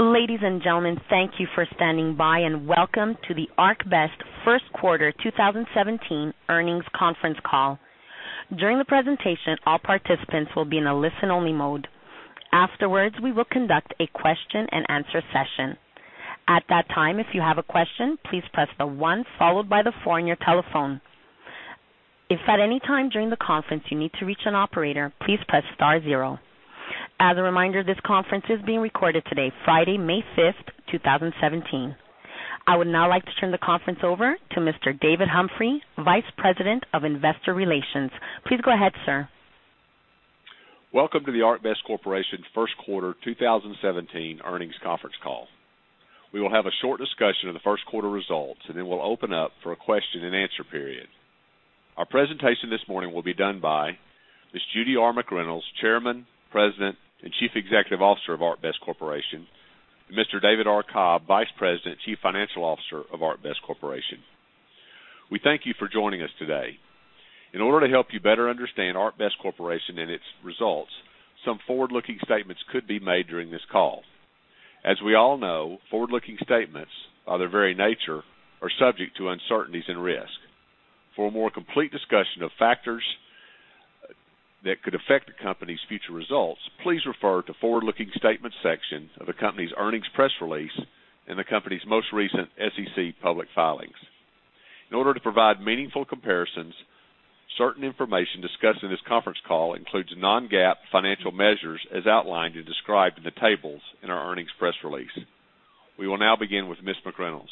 Ladies and gentlemen, thank you for standing by, and welcome to the ArcBest First Quarter 2017 Earnings Conference Call. During the presentation, all participants will be in a listen-only mode. Afterwards, we will conduct a question-and-answer session. At that time, if you have a question, please press the 1 followed by the 4 on your telephone. If at any time during the conference you need to reach an operator, please press star zero. As a reminder, this conference is being recorded today, Friday, May fifth, 2017. I would now like to turn the conference over to Mr. David Humphrey, Vice President of Investor Relations. Please go ahead, sir. Welcome to the ArcBest Corporation First Quarter 2017 Earnings Conference Call. We will have a short discussion of the first quarter results, and then we'll open up for a question-and-answer period. Our presentation this morning will be done by Ms. Judy R. McReynolds, Chairman, President, and Chief Executive Officer of ArcBest Corporation, and Mr. David R. Cobb, Vice President, Chief Financial Officer of ArcBest Corporation. We thank you for joining us today. In order to help you better understand ArcBest Corporation and its results, some forward-looking statements could be made during this call. As we all know, forward-looking statements, by their very nature, are subject to uncertainties and risk. For a more complete discussion of factors that could affect the company's future results, please refer to Forward-Looking Statements section of the company's earnings press release and the company's most recent SEC public filings. In order to provide meaningful comparisons, certain information discussed in this conference call includes non-GAAP financial measures as outlined and described in the tables in our earnings press release. We will now begin with Ms. McReynolds.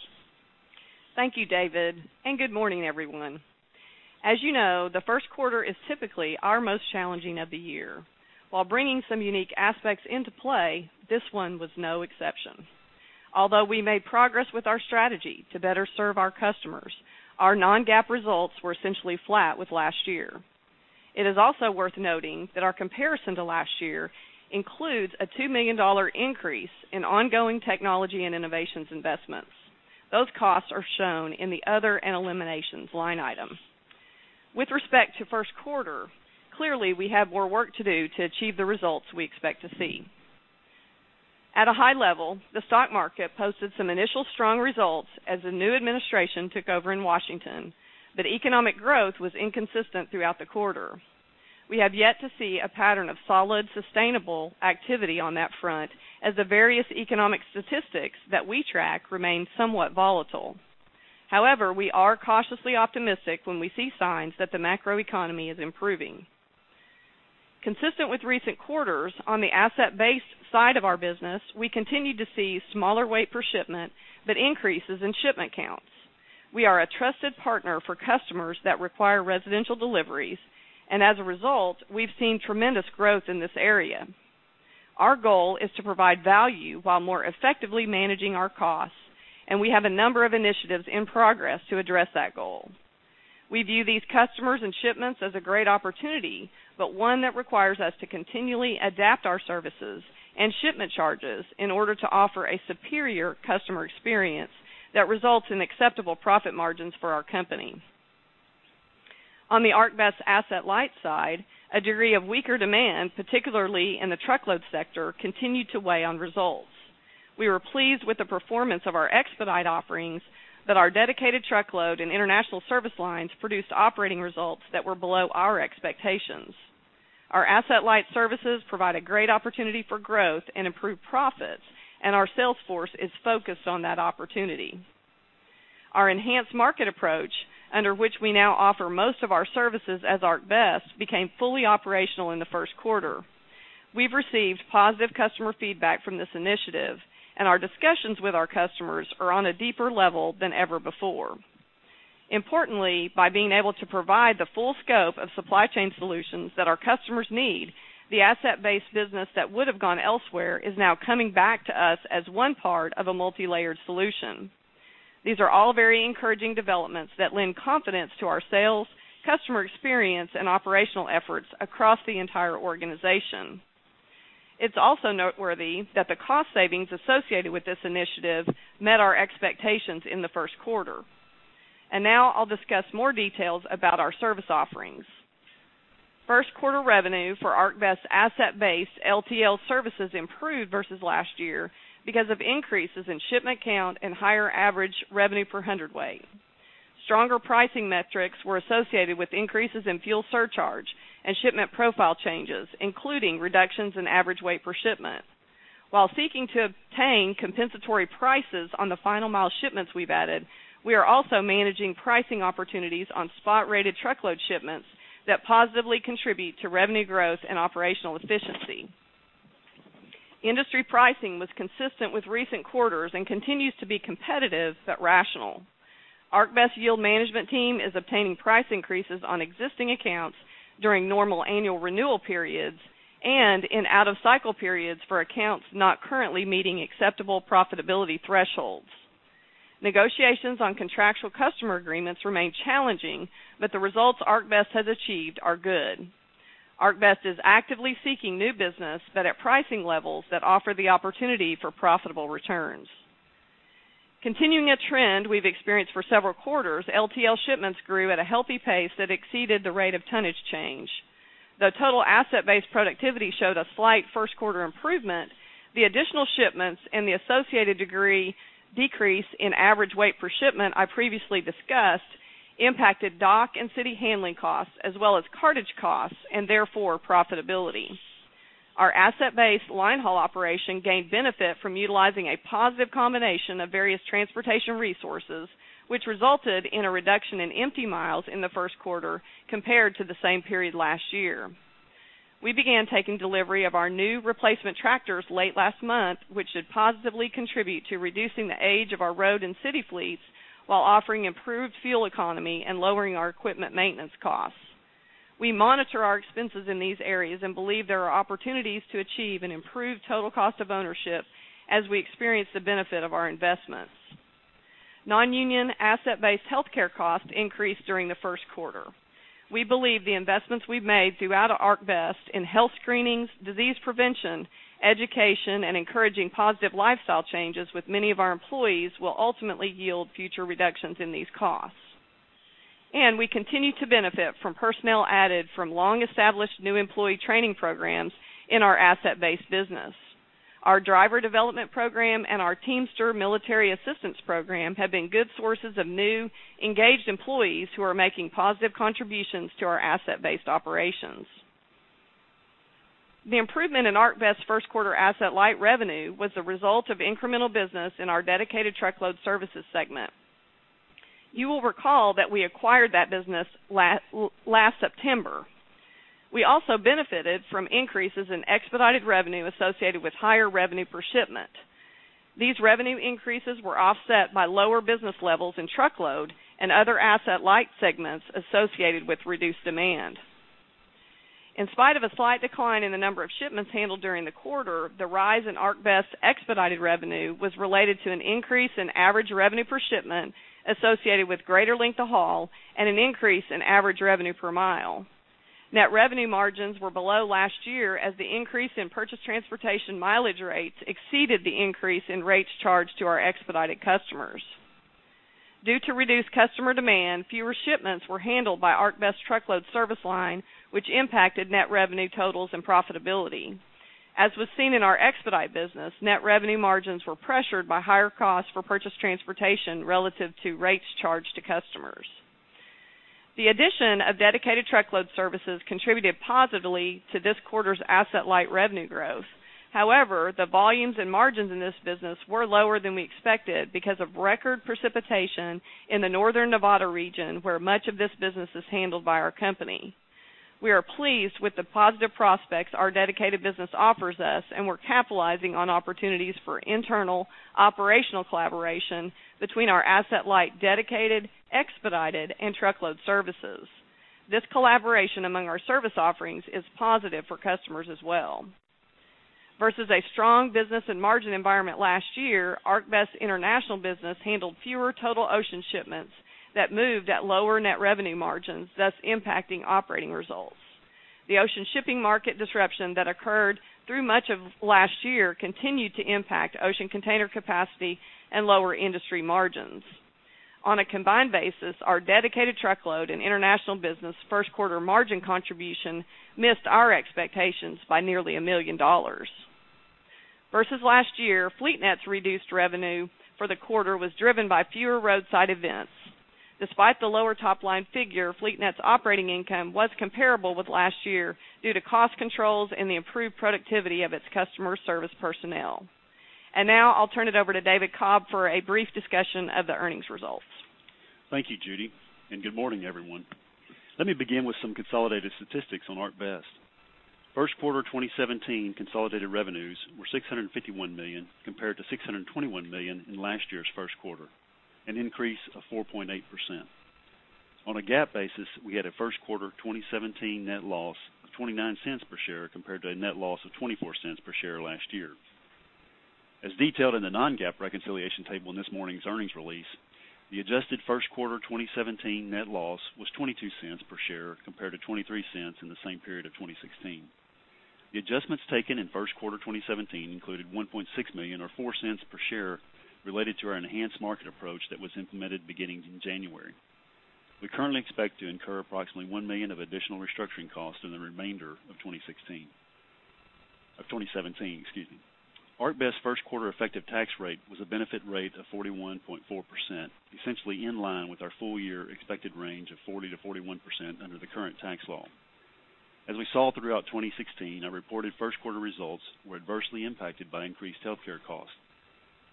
Thank you, David, and good morning, everyone. As you know, the first quarter is typically our most challenging of the year. While bringing some unique aspects into play, this one was no exception. Although we made progress with our strategy to better serve our customers, our non-GAAP results were essentially flat with last year. It is also worth noting that our comparison to last year includes a $2 million increase in ongoing technology and innovations investments. Those costs are shown in the Other and Eliminations line item. With respect to first quarter, clearly, we have more work to do to achieve the results we expect to see. At a high level, the stock market posted some initial strong results as the new administration took over in Washington, but economic growth was inconsistent throughout the quarter. We have yet to see a pattern of solid, sustainable activity on that front, as the various economic statistics that we track remain somewhat volatile. However, we are cautiously optimistic when we see signs that the macroeconomy is improving. Consistent with recent quarters, on the asset-based side of our business, we continued to see smaller weight per shipment, but increases in shipment counts. We are a trusted partner for customers that require residential deliveries, and as a result, we've seen tremendous growth in this area. Our goal is to provide value while more effectively managing our costs, and we have a number of initiatives in progress to address that goal. We view these customers and shipments as a great opportunity, but one that requires us to continually adapt our services and shipment charges in order to offer a superior customer experience that results in acceptable profit margins for our company. On the ArcBest asset-light side, a degree of weaker demand, particularly in the truckload sector, continued to weigh on results. We were pleased with the performance of our expedite offerings, but our dedicated truckload and international service lines produced operating results that were below our expectations. Our asset-light services provide a great opportunity for growth and improved profits, and our sales force is focused on that opportunity. Our enhanced market approach, under which we now offer most of our services as ArcBest, became fully operational in the first quarter. We've received positive customer feedback from this initiative, and our discussions with our customers are on a deeper level than ever before. Importantly, by being able to provide the full scope of supply chain solutions that our customers need, the asset-based business that would have gone elsewhere is now coming back to us as one part of a multilayered solution. These are all very encouraging developments that lend confidence to our sales, customer experience, and operational efforts across the entire organization. It's also noteworthy that the cost savings associated with this initiative met our expectations in the first quarter. Now I'll discuss more details about our service offerings. First quarter revenue for ArcBest asset-based LTL services improved versus last year because of increases in shipment count and higher average revenue per hundredweight. Stronger pricing metrics were associated with increases in fuel surcharge and shipment profile changes, including reductions in average weight per shipment. While seeking to obtain compensatory prices on the final mile shipments we've added, we are also managing pricing opportunities on spot-rated truckload shipments that positively contribute to revenue growth and operational efficiency. Industry pricing was consistent with recent quarters and continues to be competitive but rational. ArcBest yield management team is obtaining price increases on existing accounts during normal annual renewal periods and in out-of-cycle periods for accounts not currently meeting acceptable profitability thresholds. Negotiations on contractual customer agreements remain challenging, but the results ArcBest has achieved are good. ArcBest is actively seeking new business, but at pricing levels that offer the opportunity for profitable returns.... Continuing a trend we've experienced for several quarters, LTL shipments grew at a healthy pace that exceeded the rate of tonnage change. The total asset-based productivity showed a slight first quarter improvement. The additional shipments and the associated decrease in average weight per shipment I previously discussed, impacted dock and city handling costs, as well as cartage costs, and therefore, profitability. Our asset-based line haul operation gained benefit from utilizing a positive combination of various transportation resources, which resulted in a reduction in empty miles in the first quarter compared to the same period last year. We began taking delivery of our new replacement tractors late last month, which should positively contribute to reducing the age of our road and city fleets while offering improved fuel economy and lowering our equipment maintenance costs. We monitor our expenses in these areas and believe there are opportunities to achieve an improved total cost of ownership as we experience the benefit of our investments. Non-union asset-based healthcare costs increased during the first quarter. We believe the investments we've made throughout ArcBest in health screenings, disease prevention, education, and encouraging positive lifestyle changes with many of our employees will ultimately yield future reductions in these costs. We continue to benefit from personnel added from long-established new employee training programs in our asset-based business. Our driver development program and our Teamsters Military Assistance Program have been good sources of new, engaged employees who are making positive contributions to our asset-based operations. The improvement in ArcBest's first quarter asset-light revenue was the result of incremental business in our dedicated truckload services segment. You will recall that we acquired that business last September. We also benefited from increases in expedited revenue associated with higher revenue per shipment. These revenue increases were offset by lower business levels in truckload and other asset-light segments associated with reduced demand. In spite of a slight decline in the number of shipments handled during the quarter, the rise in ArcBest's expedited revenue was related to an increase in average revenue per shipment associated with greater length of haul and an increase in average revenue per mile. Net revenue margins were below last year, as the increase in purchased transportation mileage rates exceeded the increase in rates charged to our expedited customers. Due to reduced customer demand, fewer shipments were handled by ArcBest truckload service line, which impacted net revenue totals and profitability. As was seen in our expedite business, net revenue margins were pressured by higher costs for purchased transportation relative to rates charged to customers. The addition of dedicated truckload services contributed positively to this quarter's asset-light revenue growth. However, the volumes and margins in this business were lower than we expected because of record precipitation in the Northern Nevada region, where much of this business is handled by our company. We are pleased with the positive prospects our dedicated business offers us, and we're capitalizing on opportunities for internal operational collaboration between our asset-light, dedicated, expedited, and truckload services. This collaboration among our service offerings is positive for customers as well. Versus a strong business and margin environment last year, ArcBest international business handled fewer total ocean shipments that moved at lower net revenue margins, thus impacting operating results. The ocean shipping market disruption that occurred through much of last year continued to impact ocean container capacity and lower industry margins. On a combined basis, our dedicated truckload and international business first quarter margin contribution missed our expectations by nearly $1 million. Versus last year, FleetNet's reduced revenue for the quarter was driven by fewer roadside events. Despite the lower top-line figure, FleetNet's operating income was comparable with last year due to cost controls and the improved productivity of its customer service personnel. And now I'll turn it over to David Cobb for a brief discussion of the earnings results. Thank you, Judy, and good morning, everyone. Let me begin with some consolidated statistics on ArcBest. First quarter 2017 consolidated revenues were $651 million, compared to $621 million in last year's first quarter, an increase of 4.8%. On a GAAP basis, we had a first quarter 2017 net loss of $0.29 per share, compared to a net loss of $0.24 per share last year. As detailed in the non-GAAP reconciliation table in this morning's earnings release, the adjusted first quarter 2017 net loss was $0.22 per share, compared to $0.23 in the same period of 2016. The adjustments taken in first quarter 2017 included $1.6 million, or $0.04 per share, related to our enhanced market approach that was implemented beginning in January. We currently expect to incur approximately $1 million of additional restructuring costs in the remainder of 2016, of 2017, excuse me. ArcBest's first quarter effective tax rate was a benefit rate of 41.4%, essentially in line with our full year expected range of 40%-41% under the current tax law. As we saw throughout 2016, our reported first quarter results were adversely impacted by increased healthcare costs.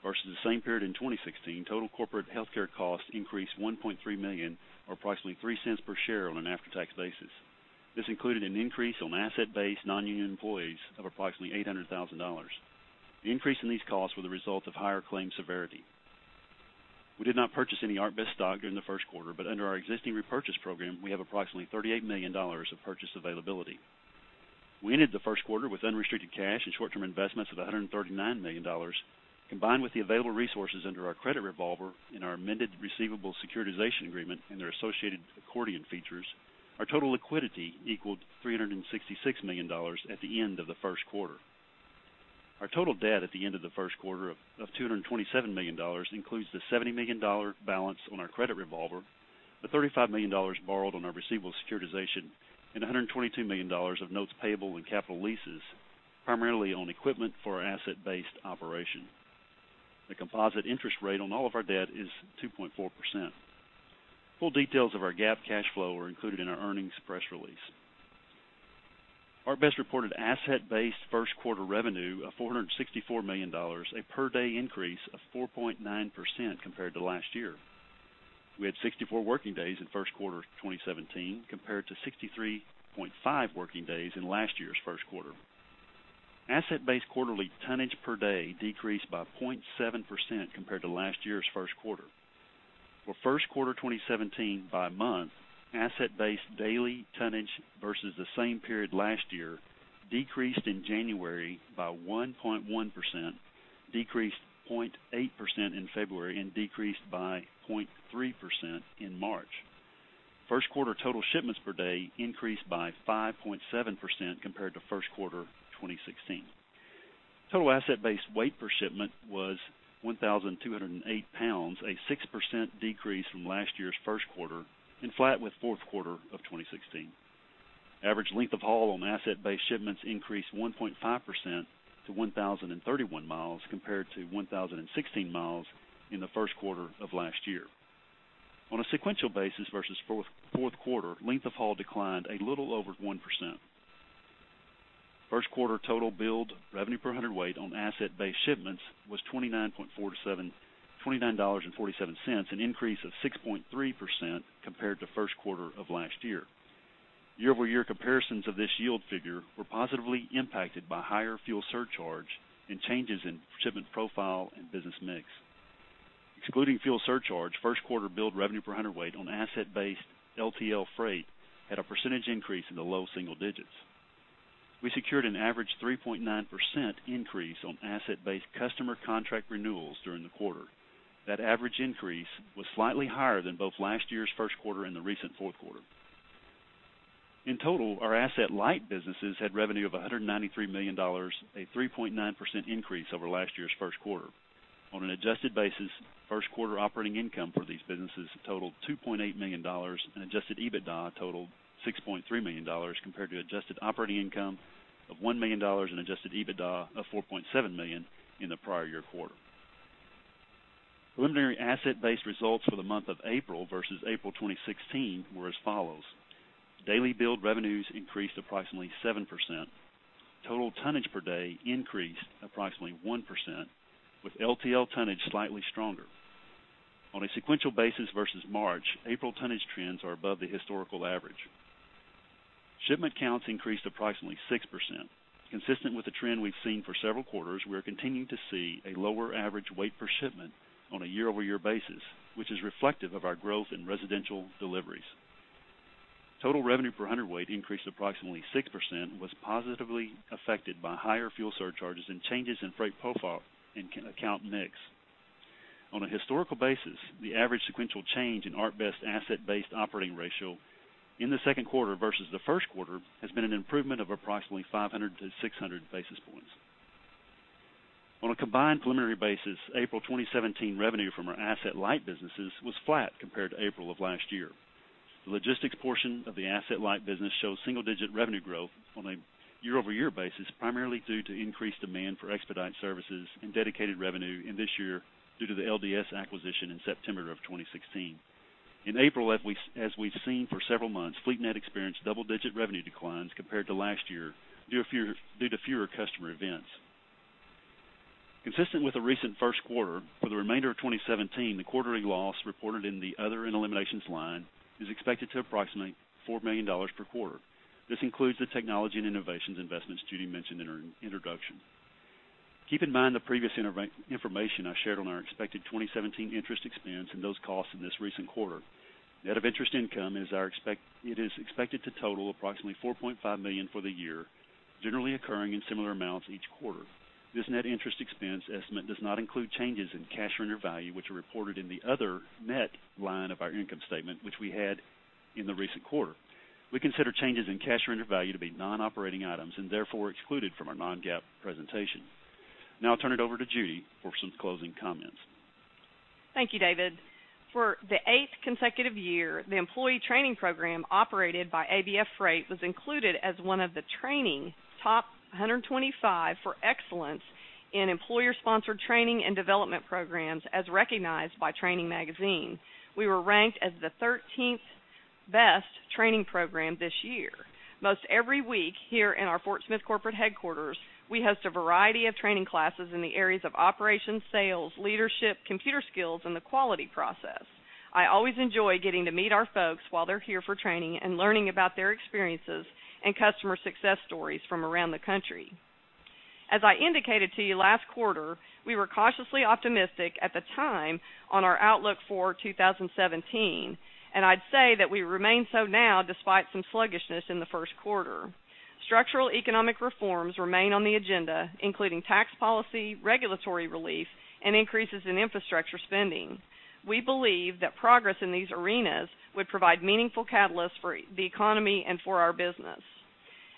Versus the same period in 2016, total corporate healthcare costs increased $1.3 million, or approximately $0.03 per share on an after-tax basis. This included an increase on asset-based, non-union employees of approximately $800,000. The increase in these costs were the result of higher claim severity. We did not purchase any ArcBest stock during the first quarter, but under our existing repurchase program, we have approximately $38 million of purchase availability. We ended the first quarter with unrestricted cash and short-term investments of $139 million, combined with the available resources under our credit revolver and our amended receivable securitization agreement and their associated accordion features. Our total liquidity equaled $366 million at the end of the first quarter. Our total debt at the end of the first quarter of $227 million includes the $70 million balance on our credit revolver, the $35 million borrowed on our receivable securitization, and $122 million of notes payable and capital leases, primarily on equipment for our asset-based operation. The composite interest rate on all of our debt is 2.4%. Full details of our GAAP cash flow are included in our earnings press release. ArcBest reported asset-based first quarter revenue of $464 million, a per day increase of 4.9% compared to last year. We had 64 working days in first quarter 2017, compared to 63.5 working days in last year's first quarter. Asset-based quarterly tonnage per day decreased by 0.7% compared to last year's first quarter. For first quarter 2017 by month, asset-based daily tonnage versus the same period last year, decreased in January by 1.1%, decreased 0.8% in February, and decreased by 0.3% in March. First quarter total shipments per day increased by 5.7% compared to first quarter 2016. Total asset-based weight per shipment was 1,008 pounds, a 6% decrease from last year's first quarter and flat with fourth quarter of 2016. Average length of haul on asset-based shipments increased 1.5% to 1,031 miles, compared to 1,016 miles in the first quarter of last year. On a sequential basis versus fourth quarter, length of haul declined a little over 1%. First quarter total billed revenue per hundredweight on asset-based shipments was $29.47, an increase of 6.3% compared to first quarter of last year. Year-over-year comparisons of this yield figure were positively impacted by higher fuel surcharge and changes in shipment profile and business mix. Excluding fuel surcharge, first quarter billed revenue per hundredweight on asset-based LTL freight had a percentage increase in the low single digits. We secured an average 3.9% increase on asset-based customer contract renewals during the quarter. That average increase was slightly higher than both last year's first quarter and the recent fourth quarter. In total, our asset-light businesses had revenue of $193 million, a 3.9% increase over last year's first quarter. On an adjusted basis, first quarter operating income for these businesses totaled $2.8 million, and adjusted EBITDA totaled $6.3 million, compared to adjusted operating income of $1 million and adjusted EBITDA of $4.7 million in the prior year quarter. Preliminary asset-based results for the month of April versus April 2016 were as follows: Daily billed revenues increased approximately 7%. Total tonnage per day increased approximately 1%, with LTL tonnage slightly stronger. On a sequential basis versus March, April tonnage trends are above the historical average. Shipment counts increased approximately 6%. Consistent with the trend we've seen for several quarters, we are continuing to see a lower average weight per shipment on a year-over-year basis, which is reflective of our growth in residential deliveries. Total revenue per hundredweight increased approximately 6%, was positively affected by higher fuel surcharges and changes in freight profile and account mix. On a historical basis, the average sequential change in ArcBest asset-based operating ratio in the second quarter versus the first quarter, has been an improvement of approximately 500-600 basis points. On a combined preliminary basis, April 2017 revenue from our asset-light businesses was flat compared to April of last year. The logistics portion of the asset-light business shows single-digit revenue growth on a year-over-year basis, primarily due to increased demand for expedite services and dedicated revenue in this year due to the LDS acquisition in September of 2016. In April, as we, as we've seen for several months, FleetNet experienced double-digit revenue declines compared to last year due to fewer customer events. Consistent with the recent first quarter, for the remainder of 2017, the quarterly loss reported in the Other and Eliminations line is expected to approximate $4 million per quarter. This includes the technology and innovations investments Judy mentioned in her introduction. Keep in mind the previous information I shared on our expected 2017 interest expense and those costs in this recent quarter. Net interest expense is expected to total approximately $4.5 million for the year, generally occurring in similar amounts each quarter. This net interest expense estimate does not include changes in cash surrender value, which are reported in the other net line of our income statement, which we had in the recent quarter. We consider changes in cash surrender value to be non-operating items and therefore excluded from our non-GAAP presentation. Now I'll turn it over to Judy for some closing comments. Thank you, David. For the eighth consecutive year, the employee training program operated by ABF Freight was included as one of the Training Top 125 for excellence in employer-sponsored training and development programs, as recognized by Training Magazine. We were ranked as the 13th best training program this year. Most every week, here in our Fort Smith corporate headquarters, we host a variety of training classes in the areas of operations, sales, leadership, computer skills, and the quality process. I always enjoy getting to meet our folks while they're here for training and learning about their experiences and customer success stories from around the country. As I indicated to you last quarter, we were cautiously optimistic at the time on our outlook for 2017, and I'd say that we remain so now despite some sluggishness in the first quarter. Structural economic reforms remain on the agenda, including tax policy, regulatory relief, and increases in infrastructure spending. We believe that progress in these arenas would provide meaningful catalysts for the economy and for our business.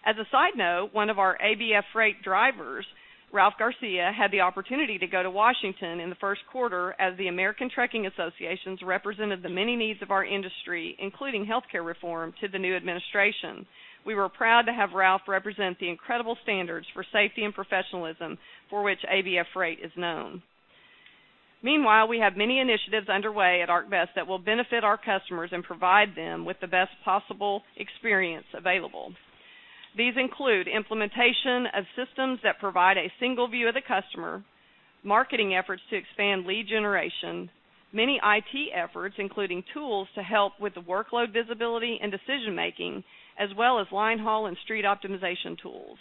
As a side note, one of our ABF Freight drivers, Ralph Garcia, had the opportunity to go to Washington in the first quarter as the American Trucking Associations represented the many needs of our industry, including healthcare reform, to the new administration. We were proud to have Ralph represent the incredible standards for safety and professionalism for which ABF Freight is known. Meanwhile, we have many initiatives underway at ArcBest that will benefit our customers and provide them with the best possible experience available. These include implementation of systems that provide a single view of the customer, marketing efforts to expand lead generation, many IT efforts, including tools to help with the workload visibility and decision-making, as well as line haul and street optimization tools.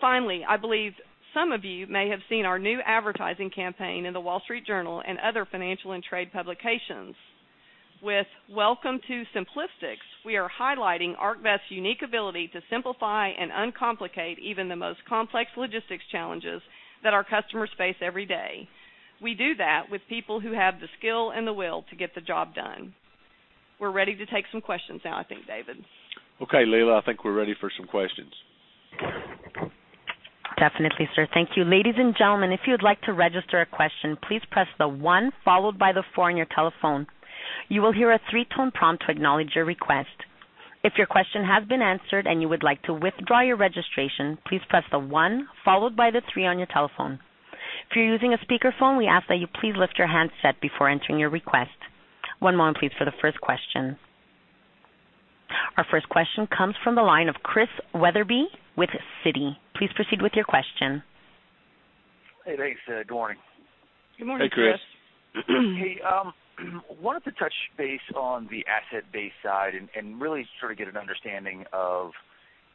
Finally, I believe some of you may have seen our new advertising campaign in The Wall Street Journal and other financial and trade publications. With Welcome to Simplistics, we are highlighting ArcBest's unique ability to simplify and uncomplicate even the most complex logistics challenges that our customers face every day. We do that with people who have the skill and the will to get the job done. We're ready to take some questions now, I think, David. Okay, Leila, I think we're ready for some questions. Definitely, sir. Thank you. Ladies and gentlemen, if you'd like to register a question, please press the one followed by the four on your telephone. You will hear a three-tone prompt to acknowledge your request. If your question has been answered and you would like to withdraw your registration, please press the one followed by the three on your telephone. If you're using a speakerphone, we ask that you please lift your handset before entering your request. One moment, please, for the first question. Our first question comes from the line of Chris Wetherbee with Citi. Please proceed with your question. Hey, thanks. Good morning. Good morning, Chris. Hey, Chris. Hey, wanted to touch base on the asset-based side and really sort of get an understanding of,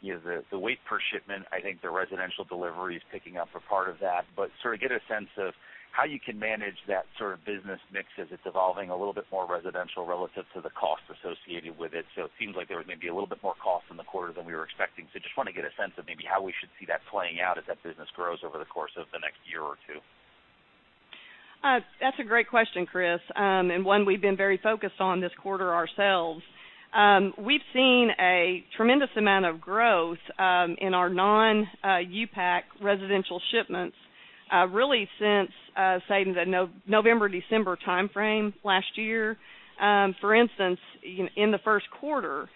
you know, the weight per shipment. I think the residential delivery is picking up a part of that, but sort of get a sense of how you can manage that sort of business mix as it's evolving a little bit more residential relative to the cost associated with it. So it seems like there was maybe a little bit more cost in the quarter than we were expecting. So just wanna get a sense of maybe how we should see that playing out as that business grows over the course of the next year or two. That's a great question, Chris, and one we've been very focused on this quarter ourselves. We've seen a tremendous amount of growth in our non-U-Pack residential shipments, really since, say, the November-December timeframe last year. For instance, in the first quarter,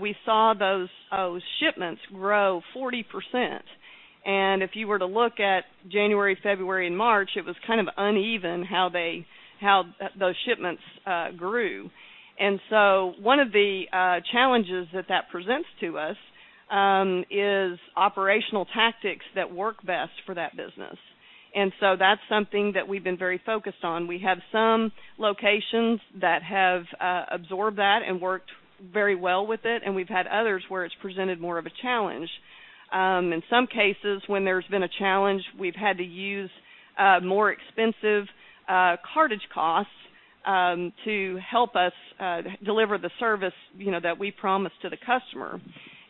we saw those shipments grow 40%. And if you were to look at January, February, and March, it was kind of uneven how those shipments grew. And so one of the challenges that that presents to us is operational tactics that work best for that business. And so that's something that we've been very focused on. We have some locations that have absorbed that and worked very well with it, and we've had others where it's presented more of a challenge. In some cases, when there's been a challenge, we've had to use more expensive cartage costs to help us deliver the service, you know, that we promised to the customer.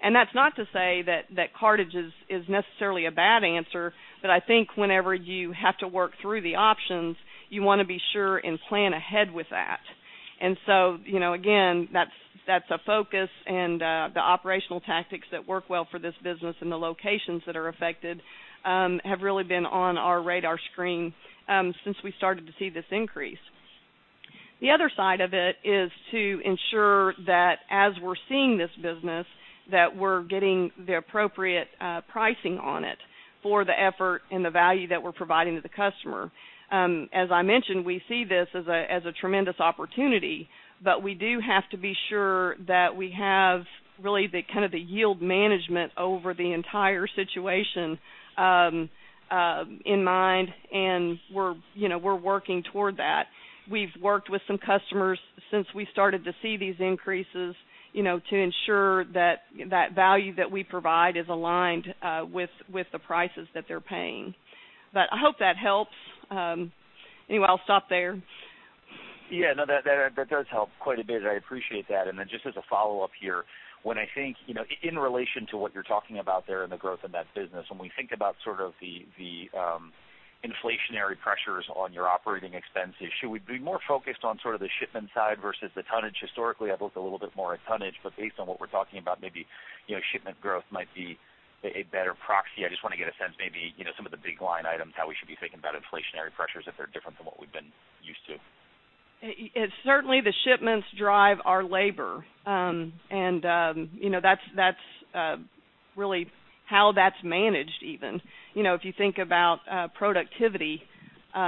And that's not to say that cartage is necessarily a bad answer, but I think whenever you have to work through the options, you wanna be sure and plan ahead with that. And so, you know, again, that's a focus, and the operational tactics that work well for this business and the locations that are affected have really been on our radar screen since we started to see this increase. The other side of it is to ensure that as we're seeing this business, that we're getting the appropriate pricing on it for the effort and the value that we're providing to the customer. As I mentioned, we see this as a tremendous opportunity, but we do have to be sure that we have really the kind of yield management over the entire situation in mind, and we're, you know, we're working toward that. We've worked with some customers since we started to see these increases, you know, to ensure that that value that we provide is aligned with the prices that they're paying. But I hope that helps. Anyway, I'll stop there. Yeah, no, that does help quite a bit. I appreciate that. And then just as a follow-up here, when I think, you know, in relation to what you're talking about there and the growth in that business, when we think about sort of the inflationary pressures on your operating expenses, should we be more focused on sort of the shipment side versus the tonnage? Historically, I've looked a little bit more at tonnage, but based on what we're talking about, maybe, you know, shipment growth might be a better proxy. I just wanna get a sense, maybe, you know, some of the big line items, how we should be thinking about inflationary pressures if they're different from what we've been used to. Certainly, the shipments drive our labor, and you know, that's, that's really how that's managed even. You know, if you think about productivity, you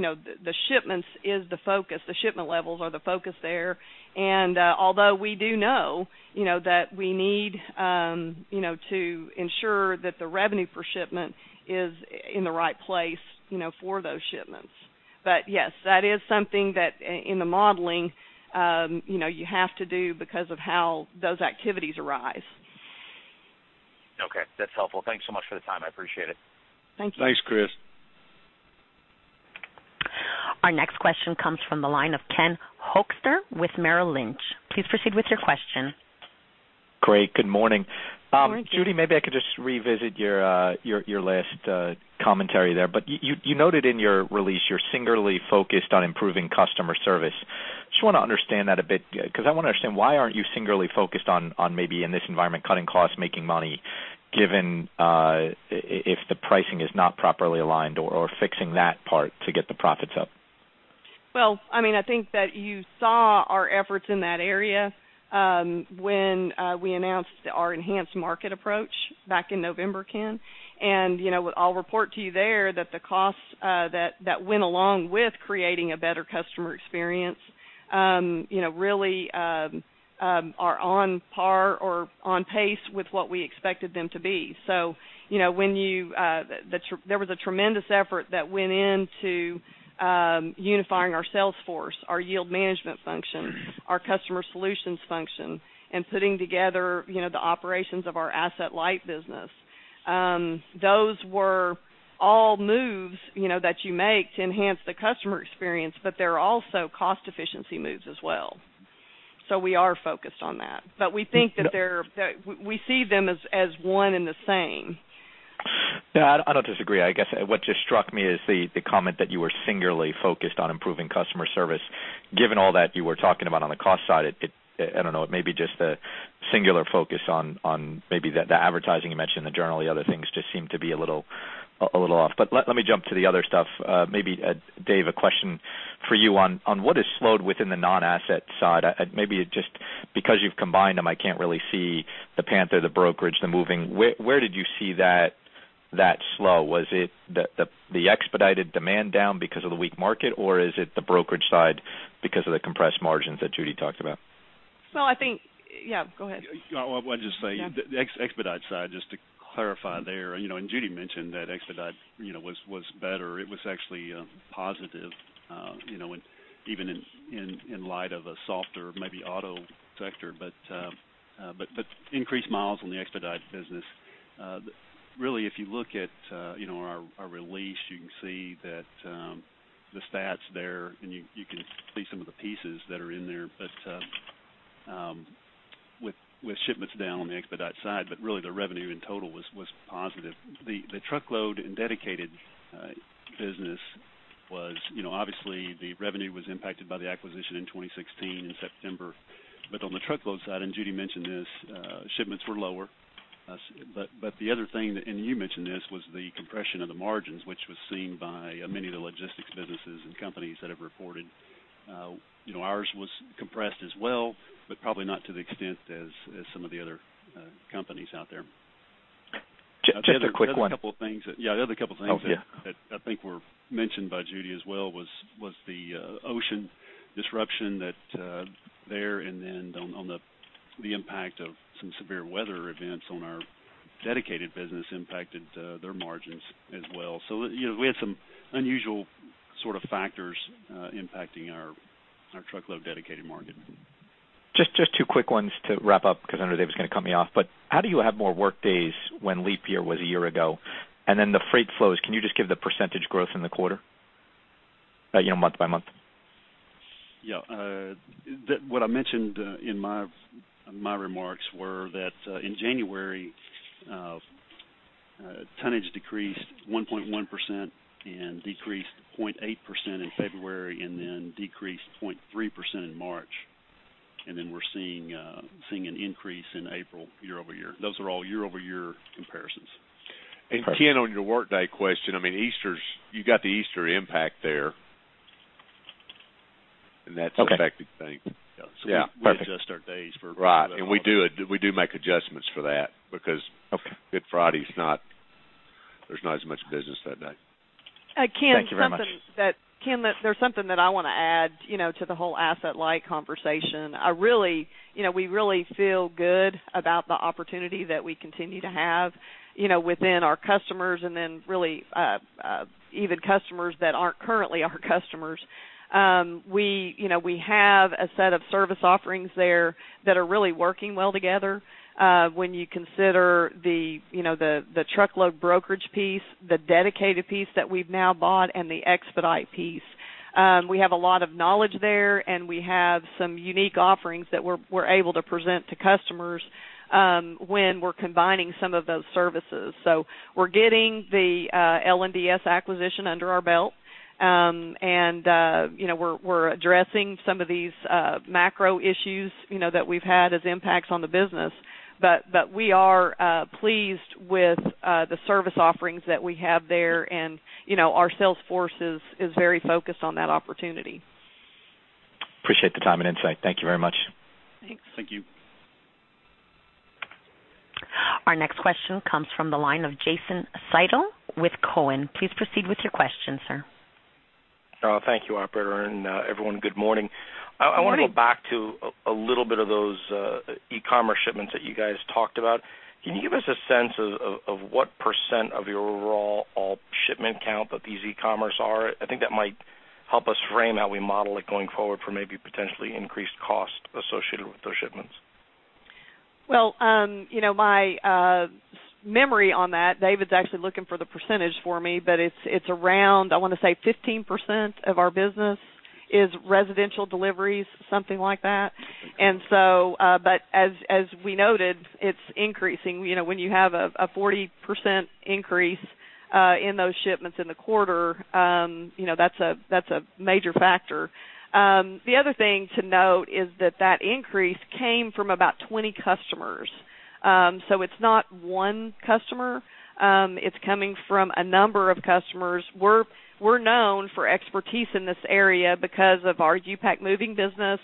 know, the, the shipments is the focus. The shipment levels are the focus there. And although we do know, you know, that we need, you know, to ensure that the revenue per shipment is in the right place, you know, for those shipments. But yes, that is something that is in the modeling, you know, you have to do because of how those activities arise. Okay. That's helpful. Thanks so much for the time. I appreciate it. Thank you. Thanks, Chris.... Our next question comes from the line of Ken Hoexter with Merrill Lynch. Please proceed with your question. Great. Good morning. Good morning. Judy, maybe I could just revisit your last commentary there. But you noted in your release you're singularly focused on improving customer service. Just want to understand that a bit, because I want to understand why aren't you singularly focused on maybe in this environment, cutting costs, making money, given if the pricing is not properly aligned or fixing that part to get the profits up? Well, I mean, I think that you saw our efforts in that area, when we announced our enhanced market approach back in November, Ken. And, you know, what I'll report to you there, that the costs that went along with creating a better customer experience, you know, really are on par or on pace with what we expected them to be. So, you know, when you, there was a tremendous effort that went into unifying our sales force, our yield management function, our customer solutions function, and putting together, you know, the operations of our asset-light business. Those were all moves, you know, that you make to enhance the customer experience, but they're also cost efficiency moves as well. So we are focused on that. But we think that they're- No- That we see them as one and the same. Yeah, I don't disagree. I guess what just struck me is the comment that you were singularly focused on improving customer service. Given all that you were talking about on the cost side, it, I don't know, it may be just a singular focus on maybe the advertising you mentioned, the journal, the other things just seem to be a little off. But let me jump to the other stuff. Maybe Dave, a question for you on what has slowed within the non-asset side? Maybe it just because you've combined them, I can't really see the Panther, the brokerage, the moving. Where did you see that slow? Was it the expedited demand down because of the weak market, or is it the brokerage side because of the compressed margins that Judy talked about? Well, I think... Yeah, go ahead. Well, I'll just say- Yeah. The expedite side, just to clarify there, you know, and Judy mentioned that expedite, you know, was better. It was actually positive, you know, and even in light of a softer, maybe auto sector. But increased miles on the expedite business. Really, if you look at, you know, our release, you can see that, the stats there, and you can see some of the pieces that are in there. But with shipments down on the expedite side, but really, the revenue in total was positive. The truckload and dedicated business was, you know, obviously, the revenue was impacted by the acquisition in 2016, in September. But on the truckload side, and Judy mentioned this, shipments were lower. But the other thing, and you mentioned this, was the compression of the margins, which was seen by many of the logistics businesses and companies that have reported. You know, ours was compressed as well, but probably not to the extent as some of the other companies out there. Just a quick one- Yeah, the other couple of things— Oh, yeah. That I think were mentioned by Judy as well was the ocean disruption that and then on the impact of some severe weather events on our dedicated business impacted their margins as well. So, you know, we had some unusual sort of factors impacting our truckload dedicated market. Just, just two quick ones to wrap up, because I know Dave is going to cut me off. But how do you have more work days when leap year was a year ago? And then the freight flows, can you just give the percentage growth in the quarter? You know, month by month. Yeah, what I mentioned in my remarks were that in January tonnage decreased 1.1% and decreased 0.8% in February, and then decreased 0.3% in March. And then we're seeing an increase in April year-over-year. Those are all year-over-year comparisons. Perfect. Ken, on your work day question, I mean, Easter's... You got the Easter impact there, and that's- Okay ... affected things. Yeah. Yeah. Perfect. We adjust our days for— Right. And we do make adjustments for that because- Okay. Good Friday's not. There's not as much business that day. Ken, thank you very much. Ken, there's something that I want to add, you know, to the whole asset-light conversation. I really, you know, we really feel good about the opportunity that we continue to have, you know, within our customers and then really, even customers that aren't currently our customers. We, you know, we have a set of service offerings there that are really working well together. When you consider the, you know, the, the truckload brokerage piece, the dedicated piece that we've now bought, and the expedite piece. We have a lot of knowledge there, and we have some unique offerings that we're, we're able to present to customers, when we're combining some of those services. So we're getting the LDS acquisition under our belt. And, you know, we're addressing some of these macro issues, you know, that we've had as impacts on the business. But we are pleased with the service offerings that we have there. And, you know, our sales force is very focused on that opportunity. Appreciate the time and insight. Thank you very much. Thanks. Thank you. Our next question comes from the line of Jason Seidl with Cowen. Please proceed with your question, sir. Thank you, operator. Everyone, good morning. Good morning. I want to go back to a little bit of those e-commerce shipments that you guys talked about. Can you give us a sense of what percent of your overall shipment count that these e-commerce are? I think that might help us frame how we model it going forward for maybe potentially increased cost associated with those shipments. ...Well, you know, my memory on that, David's actually looking for the percentage for me, but it's around, I want to say 15% of our business is residential deliveries, something like that. And so, but as we noted, it's increasing. You know, when you have a 40% increase in those shipments in the quarter, you know, that's a major factor. The other thing to note is that increase came from about 20 customers. So it's not one customer, it's coming from a number of customers. We're known for expertise in this area because of our U-Pack Moving business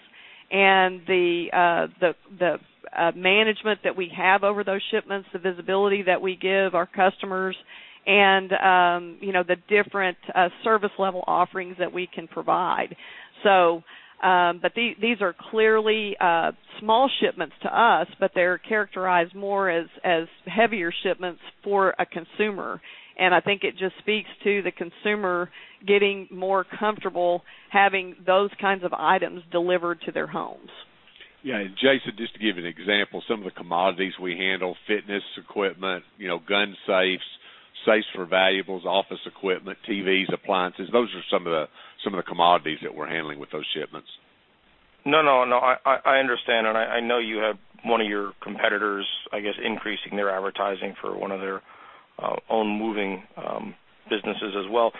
and the management that we have over those shipments, the visibility that we give our customers, and, you know, the different service level offerings that we can provide. So, but these are clearly small shipments to us, but they're characterized more as heavier shipments for a consumer. I think it just speaks to the consumer getting more comfortable having those kinds of items delivered to their homes. Yeah, and Jason, just to give you an example, some of the commodities we handle, fitness equipment, you know, gun safes, safes for valuables, office equipment, TVs, appliances, those are some of the, some of the commodities that we're handling with those shipments. No, no, no, I, I, I understand, and I, I know you have one of your competitors, I guess, increasing their advertising for one of their own moving businesses as well.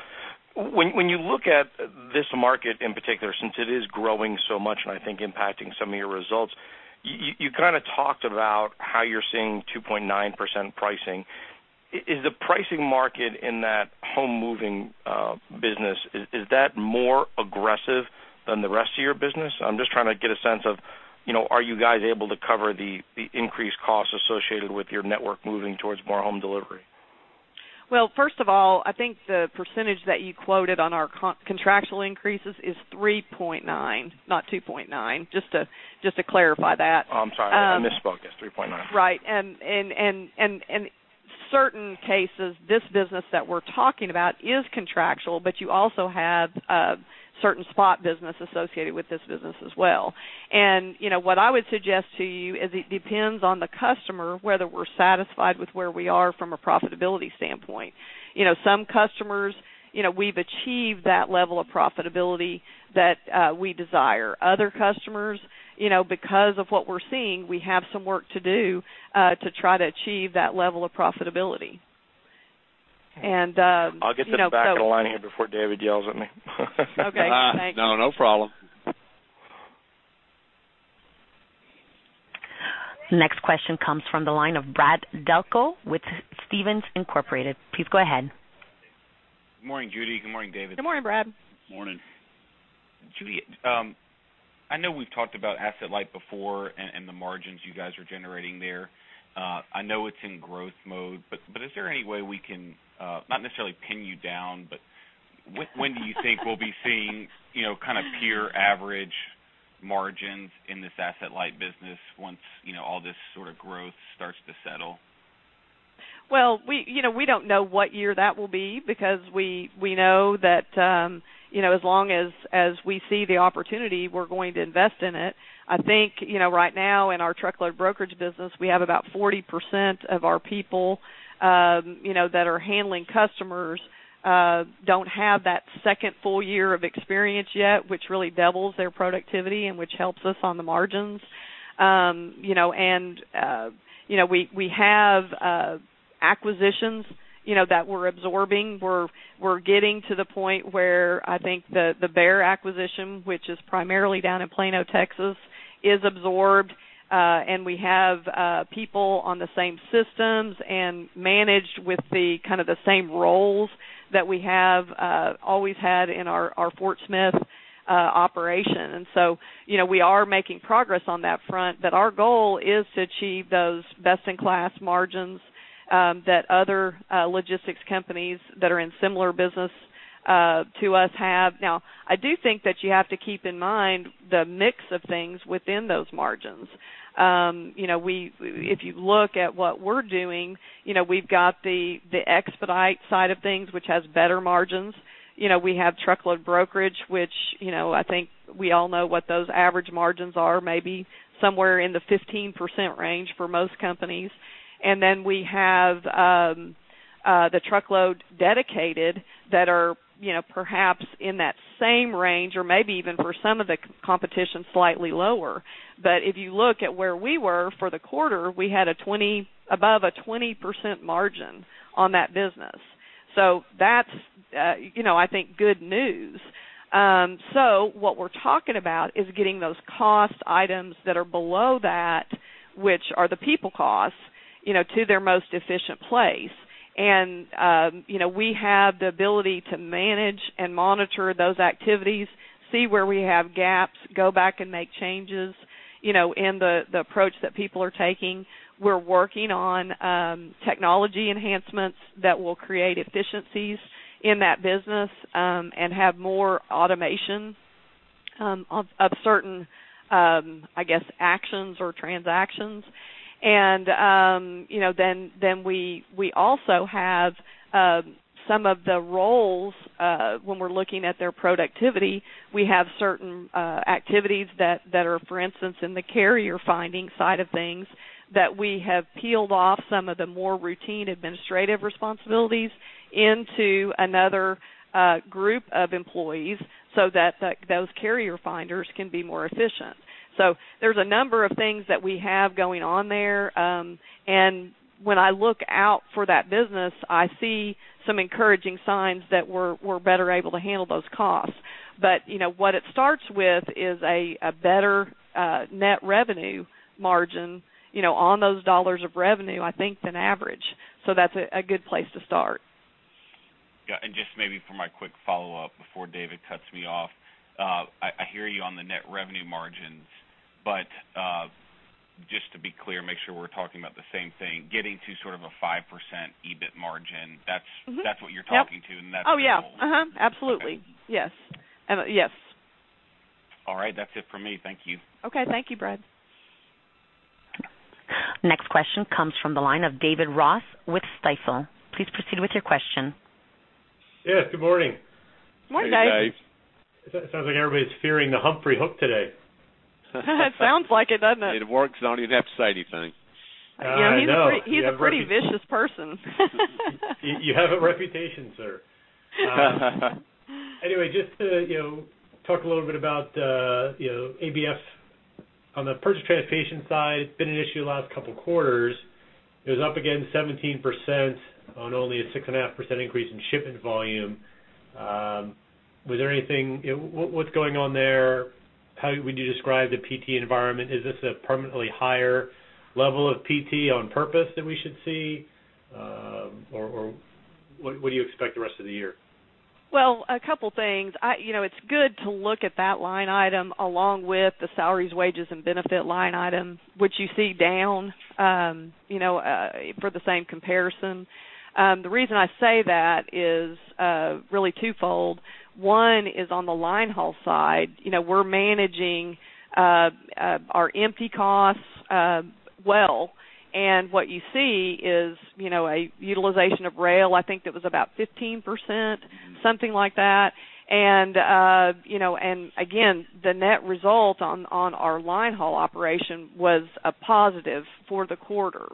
When you look at this market in particular, since it is growing so much and I think impacting some of your results, you kind of talked about how you're seeing 2.9% pricing. Is the pricing market in that home moving business more aggressive than the rest of your business? I'm just trying to get a sense of, you know, are you guys able to cover the increased costs associated with your network moving towards more home delivery? Well, first of all, I think the percentage that you quoted on our contractual increases is 3.9%, not 2.9%, just to, just to clarify that. Oh, I'm sorry. I misspoke. Yes, 3.9. Right. And in certain cases, this business that we're talking about is contractual, but you also have certain spot business associated with this business as well. And, you know, what I would suggest to you is it depends on the customer, whether we're satisfied with where we are from a profitability standpoint. You know, some customers, you know, we've achieved that level of profitability that we desire. Other customers, you know, because of what we're seeing, we have some work to do to try to achieve that level of profitability. And, you know, so- I'll get to the back of the line here before David yells at me. Okay, thanks. No, no problem. Next question comes from the line of Brad Delco with Stephens Incorporated. Please go ahead. Good morning, Judy. Good morning, David. Good morning, Brad. Morning. Judy, I know we've talked about asset-light before and, and the margins you guys are generating there. I know it's in growth mode, but, but is there any way we can not necessarily pin you down, but when do you think we'll be seeing, you know, kind of peer average margins in this asset-light business once, you know, all this sort of growth starts to settle? Well, you know, we don't know what year that will be because we know that, you know, as long as we see the opportunity, we're going to invest in it. I think, you know, right now, in our truckload brokerage business, we have about 40% of our people, you know, that are handling customers, don't have that second full year of experience yet, which really doubles their productivity and which helps us on the margins. You know, and, you know, we have acquisitions, you know, that we're absorbing. We're getting to the point where I think the Bear acquisition, which is primarily down in Plano, Texas, is absorbed, and we have people on the same systems and managed with the kind of the same roles that we have always had in our Fort Smith operation. So, you know, we are making progress on that front, but our goal is to achieve those best in class margins that other logistics companies that are in similar business to us have. Now, I do think that you have to keep in mind the mix of things within those margins. You know, if you look at what we're doing, you know, we've got the expedite side of things, which has better margins. You know, we have truckload brokerage, which, you know, I think we all know what those average margins are, maybe somewhere in the 15% range for most companies. And then we have the truckload dedicated that are, you know, perhaps in that same range or maybe even for some of the competition, slightly lower. But if you look at where we were for the quarter, we had a 20... above a 20% margin on that business. So that's, you know, I think, good news. So what we're talking about is getting those cost items that are below that, which are the people costs, you know, to their most efficient place. And, you know, we have the ability to manage and monitor those activities, see where we have gaps, go back and make changes, you know, in the approach that people are taking. We're working on technology enhancements that will create efficiencies in that business and have more automation of certain, I guess, actions or transactions. And you know, then we also have some of the roles when we're looking at their productivity; we have certain activities that are, for instance, in the carrier finding side of things, that we have peeled off some of the more routine administrative responsibilities into another group of employees so that those carrier finders can be more efficient. So there's a number of things that we have going on there. And when I look out for that business, I see some encouraging signs that we're better able to handle those costs. You know, what it starts with is a better net revenue margin, you know, on those dollars of revenue, I think, than average. So that's a good place to start. Yeah, and just maybe for my quick follow-up before David cuts me off. I hear you on the net revenue margins, but just to be clear, make sure we're talking about the same thing, getting to sort of a 5% EBIT margin, that's- That's what you're talking to, and that's the goal. Oh, yeah, absolutely. Okay. Yes. Yes. All right. That's it for me. Thank you. Okay. Thank you, Brad. Next question comes from the line of David Ross with Stifel. Please proceed with your question. Yes, good morning. Morning, Dave. Hey, Dave. It sounds like everybody's fearing the Humphrey Hook today. It sounds like it, doesn't it? It works. You don't even have to say anything. I know. Yeah, he's a pretty vicious person. You have a reputation, sir. Anyway, just to, you know, talk a little bit about, you know, ABF on the purchased transportation side, been an issue the last couple quarters. It was up again 17% on only a 6.5% increase in shipment volume. Was there anything... You know, what, what's going on there? How would you describe the PT environment? Is this a permanently higher level of PT on purpose that we should see? Or, or what, what do you expect the rest of the year? Well, a couple things. You know, it's good to look at that line item along with the salaries, wages and benefit line item, which you see down, you know, for the same comparison. The reason I say that is really twofold. One is on the line haul side, you know, we're managing our empty costs well, and what you see is, you know, a utilization of rail, I think that was about 15%, something like that. And, you know, again, the net result on our line haul operation was a positive for the quarter.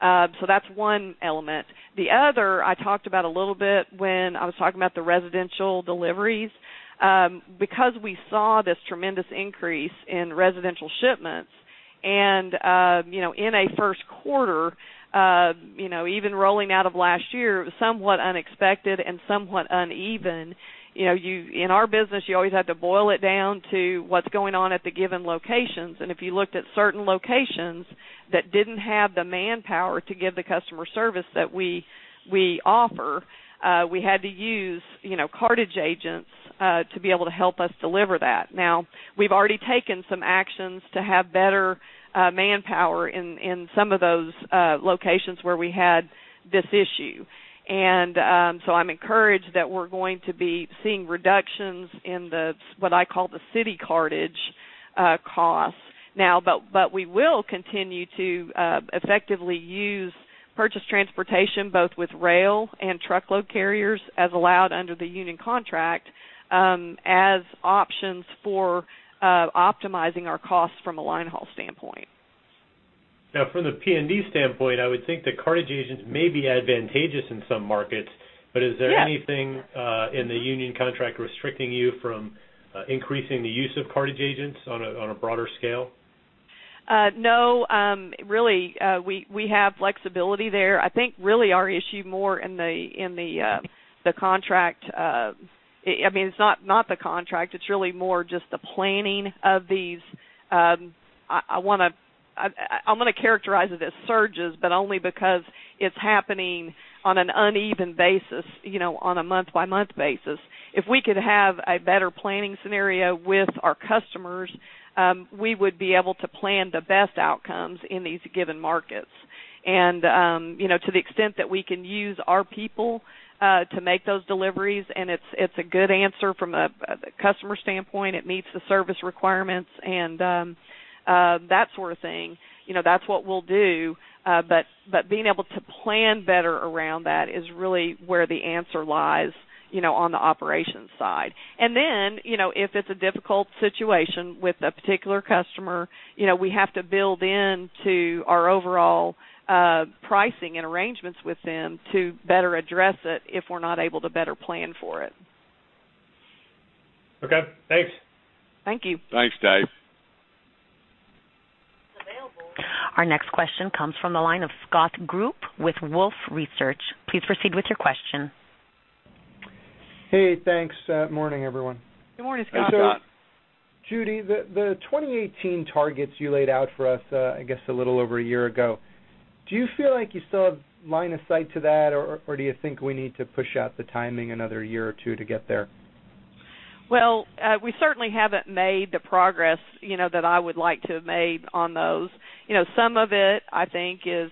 So that's one element. The other, I talked about a little bit when I was talking about the residential deliveries. Because we saw this tremendous increase in residential shipments and, you know, in a first quarter, you know, even rolling out of last year, it was somewhat unexpected and somewhat uneven. You know, you in our business, you always have to boil it down to what's going on at the given locations. And if you looked at certain locations that didn't have the manpower to give the customer service that we offer, we had to use, you know, cartage agents to be able to help us deliver that. Now, we've already taken some actions to have better manpower in some of those locations where we had this issue. And, so I'm encouraged that we're going to be seeing reductions in the, what I call the city cartage costs. Now, but we will continue to effectively use purchased transportation, both with rail and truckload carriers, as allowed under the union contract, as options for optimizing our costs from a line haul standpoint. Now, from the P&D standpoint, I would think that cartage agents may be advantageous in some markets. Yes. Is there anything in the union contract restricting you from increasing the use of cartage agents on a broader scale? No, really, we have flexibility there. I think really our issue more in the, in the, the contract... I mean, it's not the contract, it's really more just the planning of these... I wanna, I'm gonna characterize it as surges, but only because it's happening on an uneven basis, you know, on a month-by-month basis. If we could have a better planning scenario with our customers, we would be able to plan the best outcomes in these given markets. And, you know, to the extent that we can use our people to make those deliveries, and it's a good answer from a customer standpoint, it meets the service requirements and that sort of thing, you know, that's what we'll do. but being able to plan better around that is really where the answer lies, you know, on the operations side. And then, you know, if it's a difficult situation with a particular customer, you know, we have to build in to our overall pricing and arrangements with them to better address it, if we're not able to better plan for it. Okay, thanks. Thank you. Thanks, Dave. Our next question comes from the line of Scott Group with Wolfe Research. Please proceed with your question. Hey, thanks. Morning, everyone. Good morning, Scott. Scott. Judy, the 2018 targets you laid out for us, I guess, a little over a year ago, do you feel like you still have line of sight to that, or do you think we need to push out the timing another year or two to get there?... Well, we certainly haven't made the progress, you know, that I would like to have made on those. You know, some of it, I think, is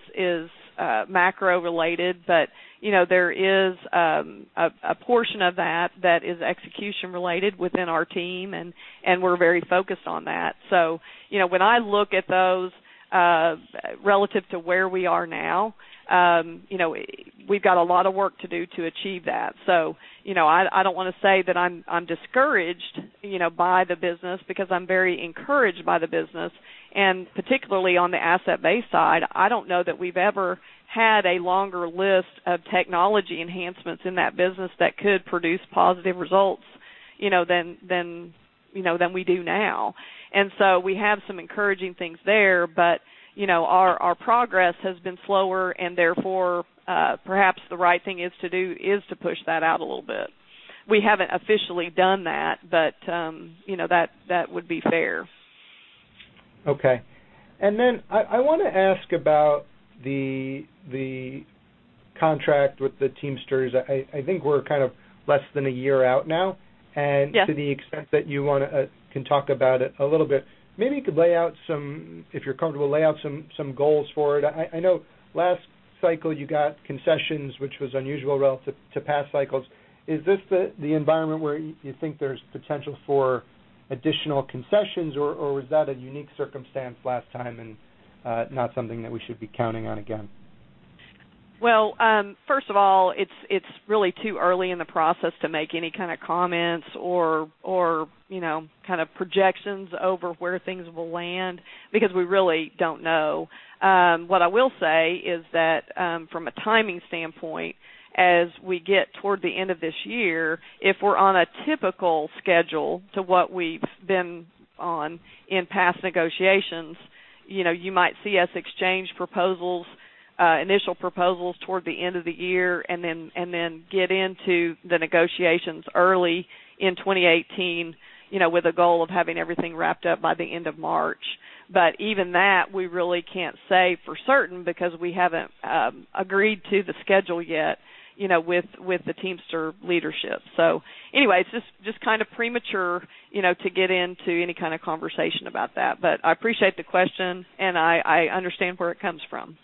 macro related, but, you know, there is a portion of that that is execution related within our team, and we're very focused on that. So, you know, when I look at those, relative to where we are now, you know, we've got a lot of work to do to achieve that. So, you know, I don't wanna say that I'm discouraged, you know, by the business because I'm very encouraged by the business, and particularly on the asset-based side, I don't know that we've ever had a longer list of technology enhancements in that business that could produce positive results, you know, than we do now. And so we have some encouraging things there. But, you know, our progress has been slower, and therefore, perhaps the right thing is to do is to push that out a little bit. We haven't officially done that, but, you know, that would be fair. Okay. And then I wanna ask about the contract with the Teamsters. I think we're kind of less than a year out now. Yes. To the extent that you wanna, can talk about it a little bit, maybe you could lay out some, if you're comfortable, lay out some goals for it. I know last cycle you got concessions, which was unusual relative to past cycles. Is this the environment where you think there's potential for additional concessions, or was that a unique circumstance last time and not something that we should be counting on again? Well, first of all, it's really too early in the process to make any kind of comments or, you know, kind of projections over where things will land because we really don't know. What I will say is that, from a timing standpoint, as we get toward the end of this year, if we're on a typical schedule to what we've been on in past negotiations, you know, you might see us exchange proposals, initial proposals toward the end of the year and then get into the negotiations early in 2018, you know, with a goal of having everything wrapped up by the end of March. But even that, we really can't say for certain because we haven't agreed to the schedule yet, you know, with the Teamster leadership. So anyway, it's just, just kind of premature, you know, to get into any kind of conversation about that. But I appreciate the question, and I, I understand where it comes from.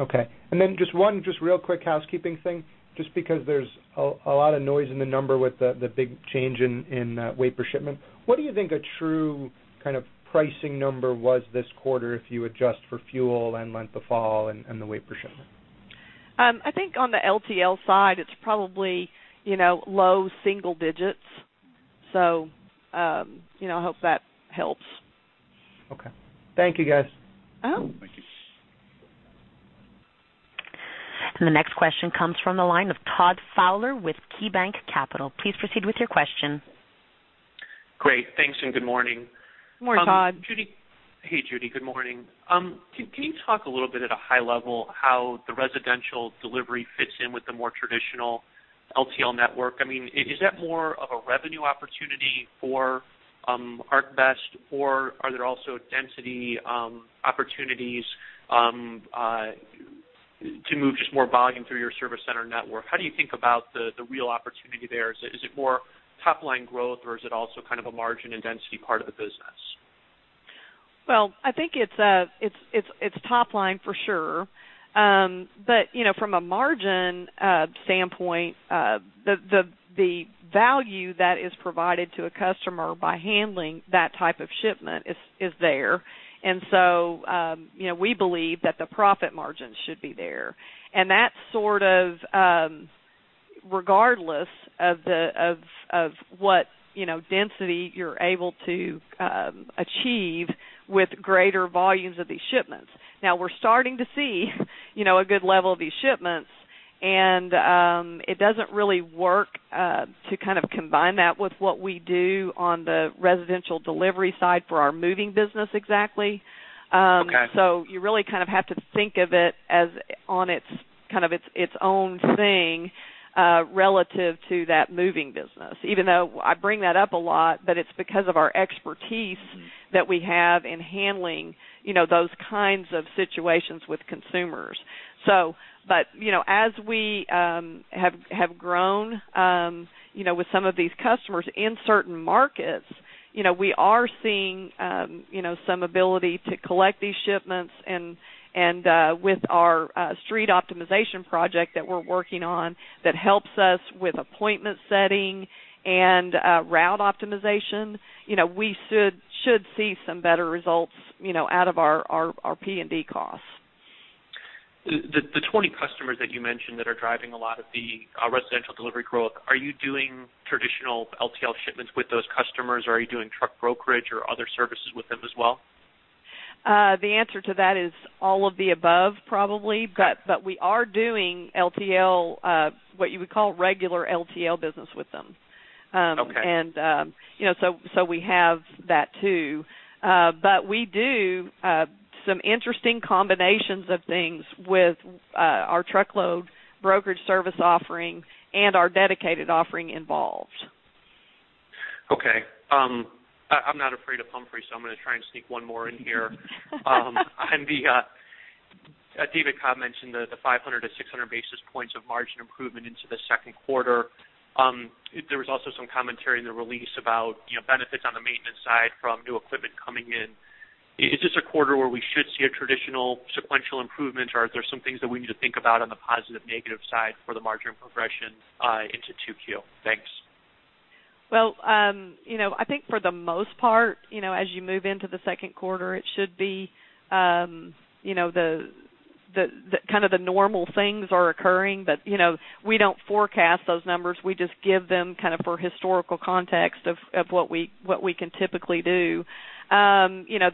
Okay. And then just one, just real quick housekeeping thing, just because there's a lot of noise in the number with the big change in weight per shipment. What do you think a true kind of pricing number was this quarter if you adjust for fuel and length of haul and the weight per shipment? I think on the LTL side, it's probably, you know, low single digits. So, you know, I hope that helps. Okay. Thank you, guys. Oh. Thank you. The next question comes from the line of Todd Fowler with KeyBanc Capital. Please proceed with your question. Great. Thanks, and good morning. Good morning, Todd. Hey, Judy, good morning. Can you talk a little bit at a high level how the residential delivery fits in with the more traditional LTL network? I mean, is that more of a revenue opportunity for ArcBest, or are there also density opportunities to move just more volume through your service center network? How do you think about the real opportunity there? Is it more top-line growth, or is it also kind of a margin and density part of the business? Well, I think it's top line for sure. But, you know, from a margin standpoint, the value that is provided to a customer by handling that type of shipment is there. And so, you know, we believe that the profit margin should be there. And that's sort of regardless of what, you know, density you're able to achieve with greater volumes of these shipments. Now, we're starting to see, you know, a good level of these shipments, and it doesn't really work to kind of combine that with what we do on the residential delivery side for our moving business exactly. Okay. So you really kind of have to think of it as kind of its own thing, relative to that moving business. Even though I bring that up a lot, but it's because of our expertise that we have in handling, you know, those kinds of situations with consumers. But, you know, as we have grown, you know, with some of these customers in certain markets, you know, we are seeing, you know, some ability to collect these shipments and, with our street optimization project that we're working on, that helps us with appointment setting and route optimization, you know, we should see some better results, you know, out of our P&D costs. The 20 customers that you mentioned that are driving a lot of the residential delivery growth, are you doing traditional LTL shipments with those customers, or are you doing truck brokerage or other services with them as well? The answer to that is all of the above, probably. But we are doing LTL, what you would call regular LTL business with them. Okay. You know, so, so we have that, too. But we do some interesting combinations of things with our truckload brokerage service offering and our dedicated offering involved. Okay. I, I'm not afraid of Humphrey, so I'm gonna try and sneak one more in here. On the, David Cobb mentioned the 500-600 basis points of margin improvement into the second quarter. There was also some commentary in the release about, you know, benefits on the maintenance side from new equipment coming in. Is this a quarter where we should see a traditional sequential improvement, or are there some things that we need to think about on the positive, negative side for the margin progression, into 2Q? Thanks. Well, you know, I think for the most part, you know, as you move into the second quarter, it should be, you know, the kind of normal things are occurring. But, you know, we don't forecast those numbers. We just give them kind of for historical context of what we can typically do. You know,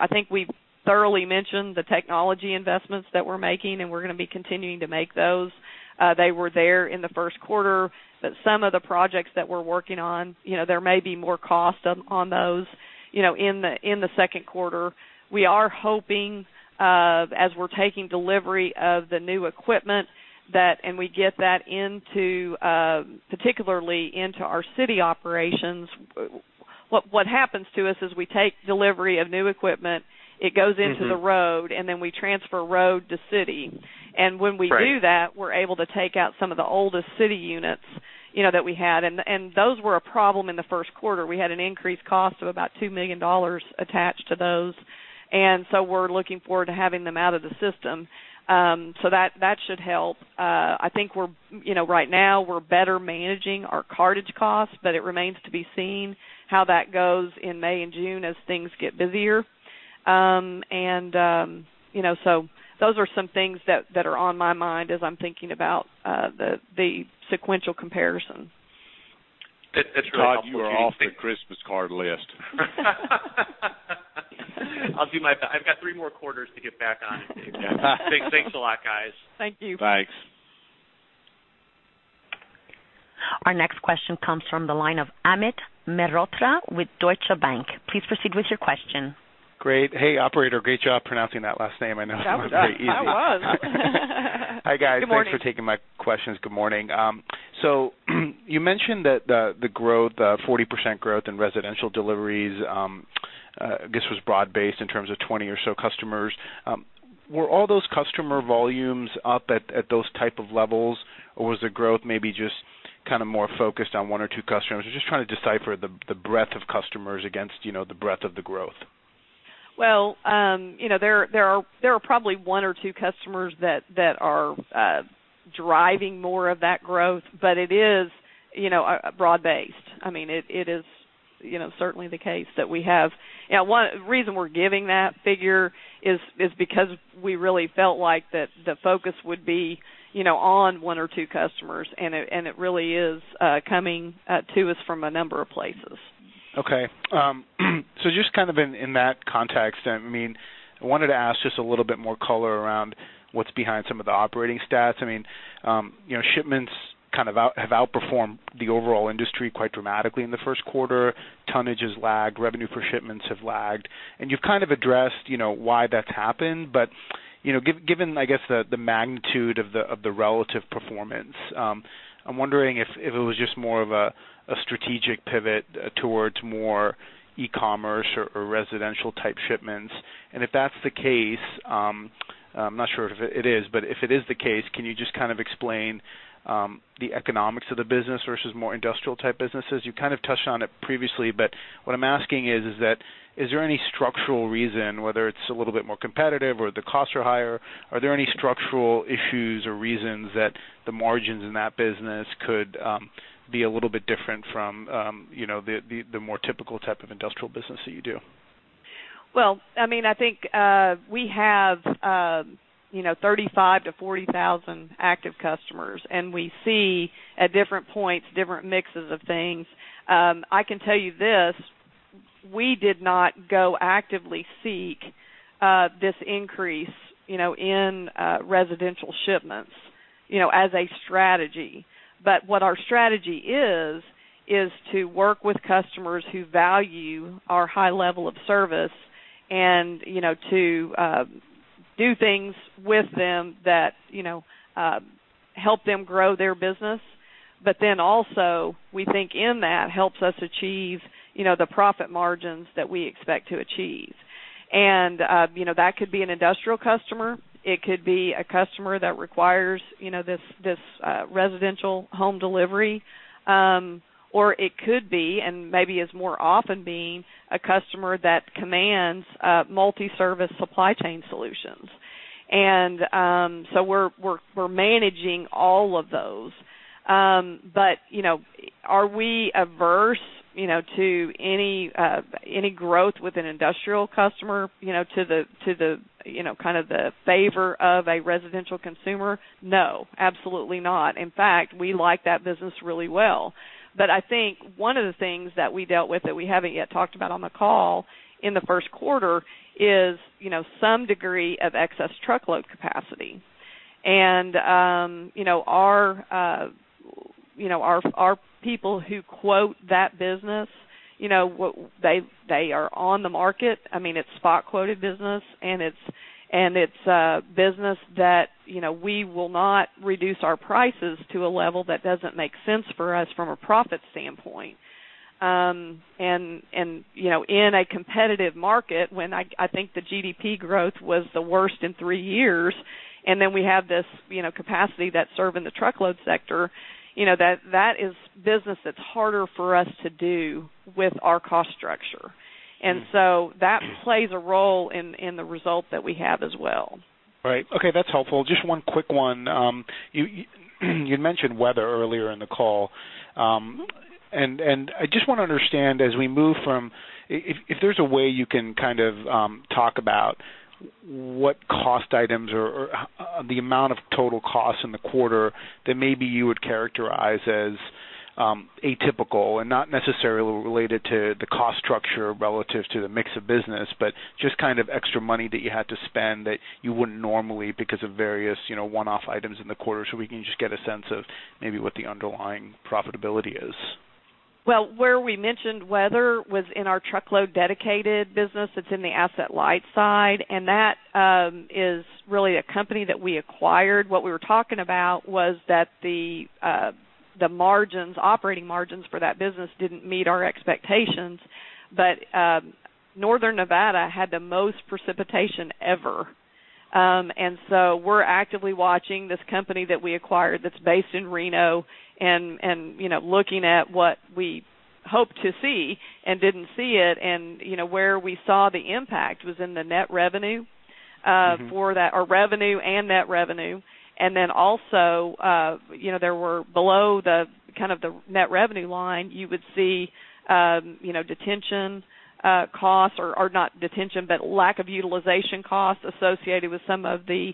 I think we've thoroughly mentioned the technology investments that we're making, and we're going to be continuing to make those. They were there in the first quarter, but some of the projects that we're working on, you know, there may be more cost on those, you know, in the second quarter. We are hoping, as we're taking delivery of the new equipment, that and we get that into, particularly into our city operations. What happens to us is we take delivery of new equipment. It goes into the road, and then we transfer road to city. Right. And when we do that, we're able to take out some of the oldest city units, you know, that we had, and those were a problem in the first quarter. We had an increased cost of about $2 million attached to those, and so we're looking forward to having them out of the system. So that should help. I think we're, you know, right now, we're better managing our cartage costs, but it remains to be seen how that goes in May and June as things get busier. You know, so those are some things that are on my mind as I'm thinking about the sequential comparison. That's really helpful. Todd, you are off the Christmas card list. I'll do my best. I've got three more quarters to get back on it. Thanks a lot, guys. Thank you. Thanks. Our next question comes from the line of Amit Mehrotra with Deutsche Bank. Please proceed with your question. Great. Hey, operator, great job pronouncing that last name. I know it's not very easy. That was. Hi, guys. Good morning. Thanks for taking my questions. Good morning. So you mentioned that the, the growth, the 40% growth in residential deliveries, this was broad-based in terms of 20 or so customers. Were all those customer volumes up at, at those type of levels, or was the growth maybe just kind of more focused on one or two customers? I'm just trying to decipher the, the breadth of customers against, you know, the breadth of the growth. Well, you know, there are probably one or two customers that are driving more of that growth, but it is, you know, broad-based. I mean, it is, you know, certainly the case that we have. Yeah, one reason we're giving that figure is because we really felt like that the focus would be, you know, on one or two customers, and it really is coming to us from a number of places. Okay. So just kind of in that context, I mean, I wanted to ask just a little bit more color around what's behind some of the operating stats. I mean, you know, shipments kind of have outperformed the overall industry quite dramatically in the first quarter. Tonnages lagged, revenue for shipment have lagged, and you've kind of addressed, you know, why that's happened. But, you know, given, I guess, the magnitude of the relative performance, I'm wondering if it was just more of a strategic pivot towards more e-commerce or residential type shipments. And if that's the case, I'm not sure if it is, but if it is the case, can you just kind of explain the economics of the business versus more industrial type businesses? You kind of touched on it previously, but what I'm asking is, is there any structural reason, whether it's a little bit more competitive or the costs are higher, are there any structural issues or reasons that the margins in that business could be a little bit different from, you know, the more typical type of industrial business that you do? Well, I mean, I think, we have, you know, 35-40 thousand active customers, and we see at different points, different mixes of things. I can tell you this, we did not go actively seek, this increase, you know, in, residential shipments, you know, as a strategy. But what our strategy is, is to work with customers who value our high level of service and, you know, to, do things with them that, you know, help them grow their business. But then also, we think in that helps us achieve, you know, the profit margins that we expect to achieve. You know, that could be an industrial customer. It could be a customer that requires, you know, this, this, residential home delivery, or it could be, and maybe has more often been, a customer that commands multi-service supply chain solutions. So we're managing all of those. But, you know, are we averse, you know, to any, any growth with an industrial customer, you know, to the favor of a residential consumer? No, absolutely not. In fact, we like that business really well. But I think one of the things that we dealt with that we haven't yet talked about on the call in the first quarter is, you know, some degree of excess truckload capacity. You know, our people who quote that business, you know, they are on the market. I mean, it's spot quoted business, and it's business that, you know, we will not reduce our prices to a level that doesn't make sense for us from a profit standpoint. And, you know, in a competitive market, when I think the GDP growth was the worst in three years, and then we have this, you know, capacity that serve in the truckload sector, you know, that is business that's harder for us to do with our cost structure. And so that plays a role in the result that we have as well. Right. Okay, that's helpful. Just one quick one. You mentioned weather earlier in the call. I just want to understand. If there's a way you can kind of talk about what cost items or the amount of total costs in the quarter that maybe you would characterize as atypical and not necessarily related to the cost structure relative to the mix of business, but just kind of extra money that you had to spend that you wouldn't normally because of various, you know, one-off items in the quarter, so we can just get a sense of maybe what the underlying profitability is. Well, where we mentioned weather was in our truckload dedicated business, it's in the asset-light side, and that is really a company that we acquired. What we were talking about was that the margins, operating margins for that business didn't meet our expectations. But Northern Nevada had the most precipitation ever. And so we're actively watching this company that we acquired that's based in Reno and looking at what we hoped to see and didn't see it, and you know, where we saw the impact was in the net revenue- —for that, or revenue and net revenue. And then also, you know, there were below the kind of the net revenue line, you would see, you know, detention costs, or not detention, but lack of utilization costs associated with some of the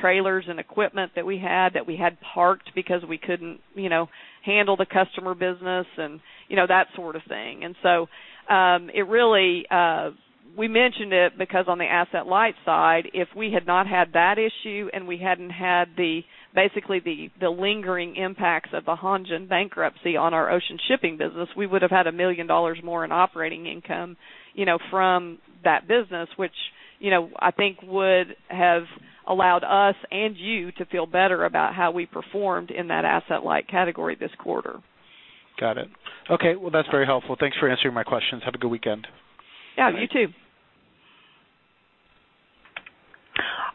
trailers and equipment that we had parked because we couldn't, you know, handle the customer business and, you know, that sort of thing. And so, it really... We mentioned it because on the asset-light side, if we had not had that issue, and we hadn't had the, basically, the lingering impacts of the Hanjin bankruptcy on our ocean shipping business, we would have had $1 million more in operating income, you know, from that business, which, you know, I think would have allowed us and you to feel better about how we performed in that asset-light category this quarter. Got it. Okay, well, that's very helpful. Thanks for answering my questions. Have a good weekend. Yeah, you too.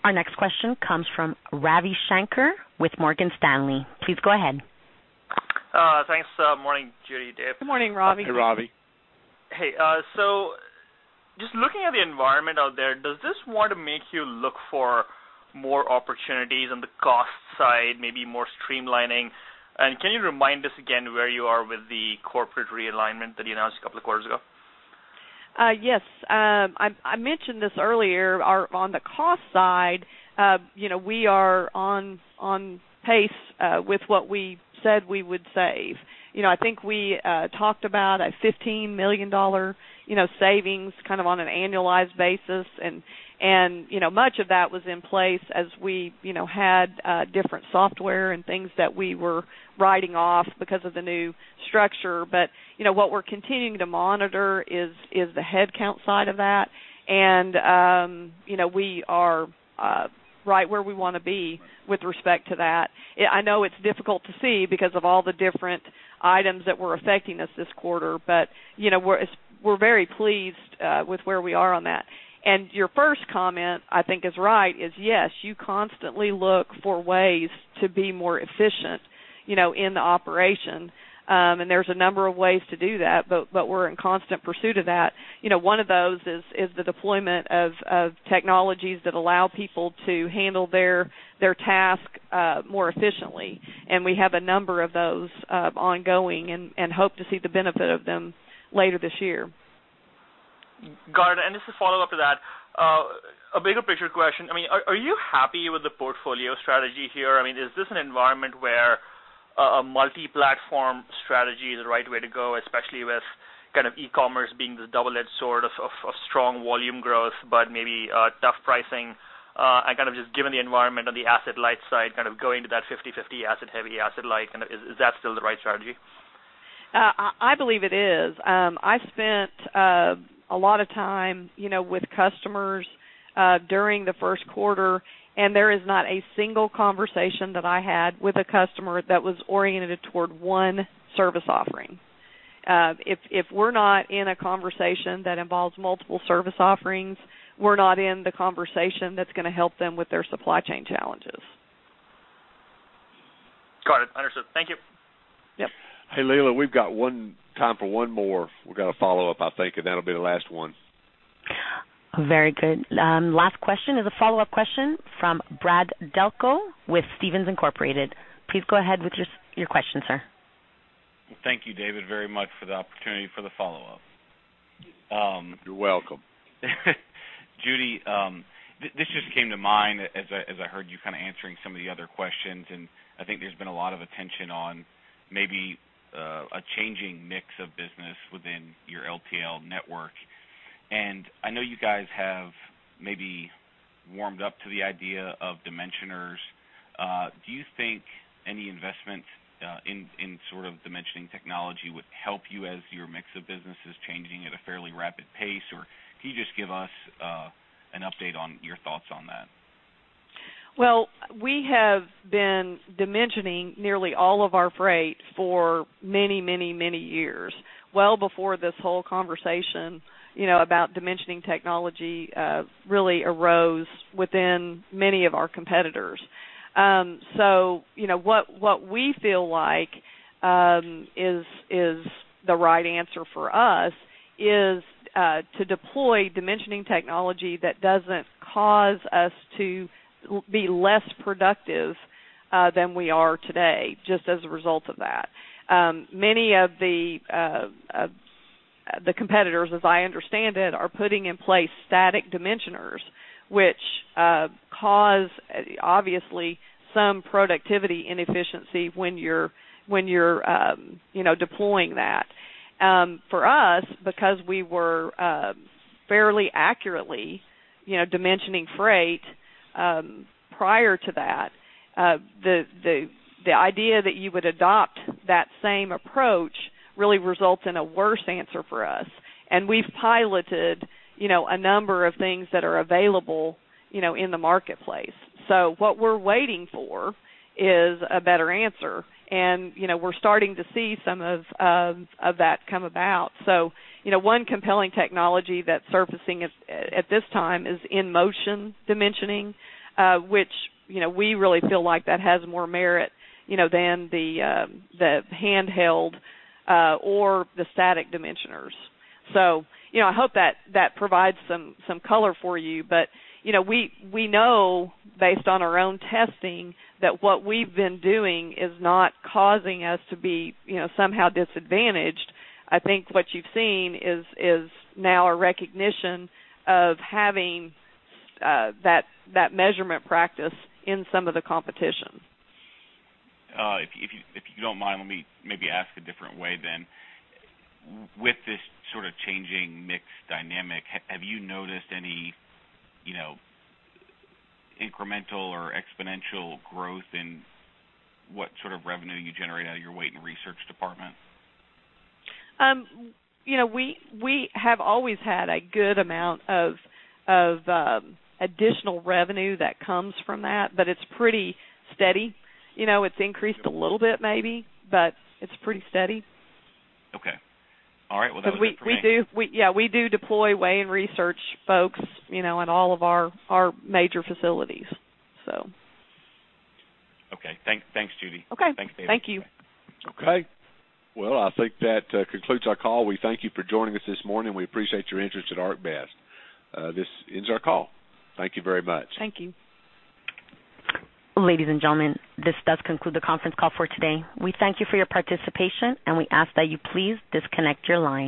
Our next question comes from Ravi Shanker with Morgan Stanley. Please go ahead. Thanks. Morning, Judy, Dave. Good morning, Ravi. Hey, Ravi. Hey, so just looking at the environment out there, does this want to make you look for more opportunities on the cost side, maybe more streamlining? Can you remind us again where you are with the corporate realignment that you announced a couple of quarters ago? Yes. I mentioned this earlier. On the cost side, you know, we are on pace with what we said we would save. You know, I think we talked about a $15 million savings kind of on an annualized basis. And, you know, much of that was in place as we, you know, had different software and things that we were writing off because of the new structure. But, you know, what we're continuing to monitor is the headcount side of that. And, you know, we are right where we want to be with respect to that. I know it's difficult to see because of all the different items that were affecting us this quarter, but, you know, we're very pleased with where we are on that. Your first comment, I think, is right. Yes, you constantly look for ways to be more efficient, you know, in the operation. There's a number of ways to do that, but we're in constant pursuit of that. You know, one of those is the deployment of technologies that allow people to handle their task more efficiently. We have a number of those ongoing and hope to see the benefit of them later this year. Got it. And just to follow up to that, a bigger picture question. I mean, are you happy with the portfolio strategy here? I mean, is this an environment where a multi-platform strategy is the right way to go, especially with kind of e-commerce being the double-edged sword of strong volume growth, but maybe tough pricing? And kind of just given the environment on the asset-light side, kind of going to that 50/50 asset-heavy, asset-light, kind of is that still the right strategy? I believe it is. I spent a lot of time, you know, with customers during the first quarter, and there is not a single conversation that I had with a customer that was oriented toward one service offering. If, if we're not in a conversation that involves multiple service offerings, we're not in the conversation that's going to help them with their supply chain challenges. Got it. Understood. Thank you. Yep. Hey, Leela, we've got one time for one more. We've got a follow-up, I think, and that'll be the last one. Very good. Last question is a follow-up question from Brad Delco with Stephens Incorporated. Please go ahead with your question, sir. Thank you, David, very much for the opportunity for the follow-up. You're welcome. Judy, this just came to mind as I heard you kind of answering some of the other questions, and I think there's been a lot of attention on maybe a changing mix of business within your LTL network. I know you guys have maybe warmed up to the idea of dimensioners. Do you think any investment in sort of dimensioning technology would help you as your mix of business is changing at a fairly rapid pace? Or can you just give us an update on your thoughts on that? ...Well, we have been dimensioning nearly all of our freight for many, many, many years, well before this whole conversation, you know, about dimensioning technology really arose within many of our competitors. So you know, what we feel like is the right answer for us is to deploy dimensioning technology that doesn't cause us to be less productive than we are today, just as a result of that. Many of the competitors, as I understand it, are putting in place static dimensioners, which cause, obviously, some productivity inefficiency when you're deploying that. For us, because we were fairly accurately, you know, dimensioning freight prior to that, the idea that you would adopt that same approach really results in a worse answer for us. We've piloted, you know, a number of things that are available, you know, in the marketplace. So what we're waiting for is a better answer. And, you know, we're starting to see some of that come about. So, you know, one compelling technology that's surfacing at this time is in-motion dimensioning, which, you know, we really feel like that has more merit, you know, than the handheld or the static dimensioners. So, you know, I hope that provides some color for you. But, you know, we know based on our own testing, that what we've been doing is not causing us to be, you know, somehow disadvantaged. I think what you've seen is now a recognition of having that measurement practice in some of the competition. If you don't mind, let me maybe ask a different way then. With this sort of changing mix dynamic, have you noticed any, you know, incremental or exponential growth in what sort of revenue you generate out of your Weight and Research department? You know, we have always had a good amount of additional revenue that comes from that, but it's pretty steady. You know, it's increased a little bit, maybe, but it's pretty steady. Okay. All right. Well, that was it for me. We do deploy Weight and Research folks, you know, in all of our major facilities, so. Okay. Thanks, Judy. Okay. Thanks, David. Thank you. Okay. Well, I think that, concludes our call. We thank you for joining us this morning. We appreciate your interest in ArcBest. This ends our call. Thank you very much. Thank you. Ladies and gentlemen, this does conclude the conference call for today. We thank you for your participation, and we ask that you please disconnect your lines.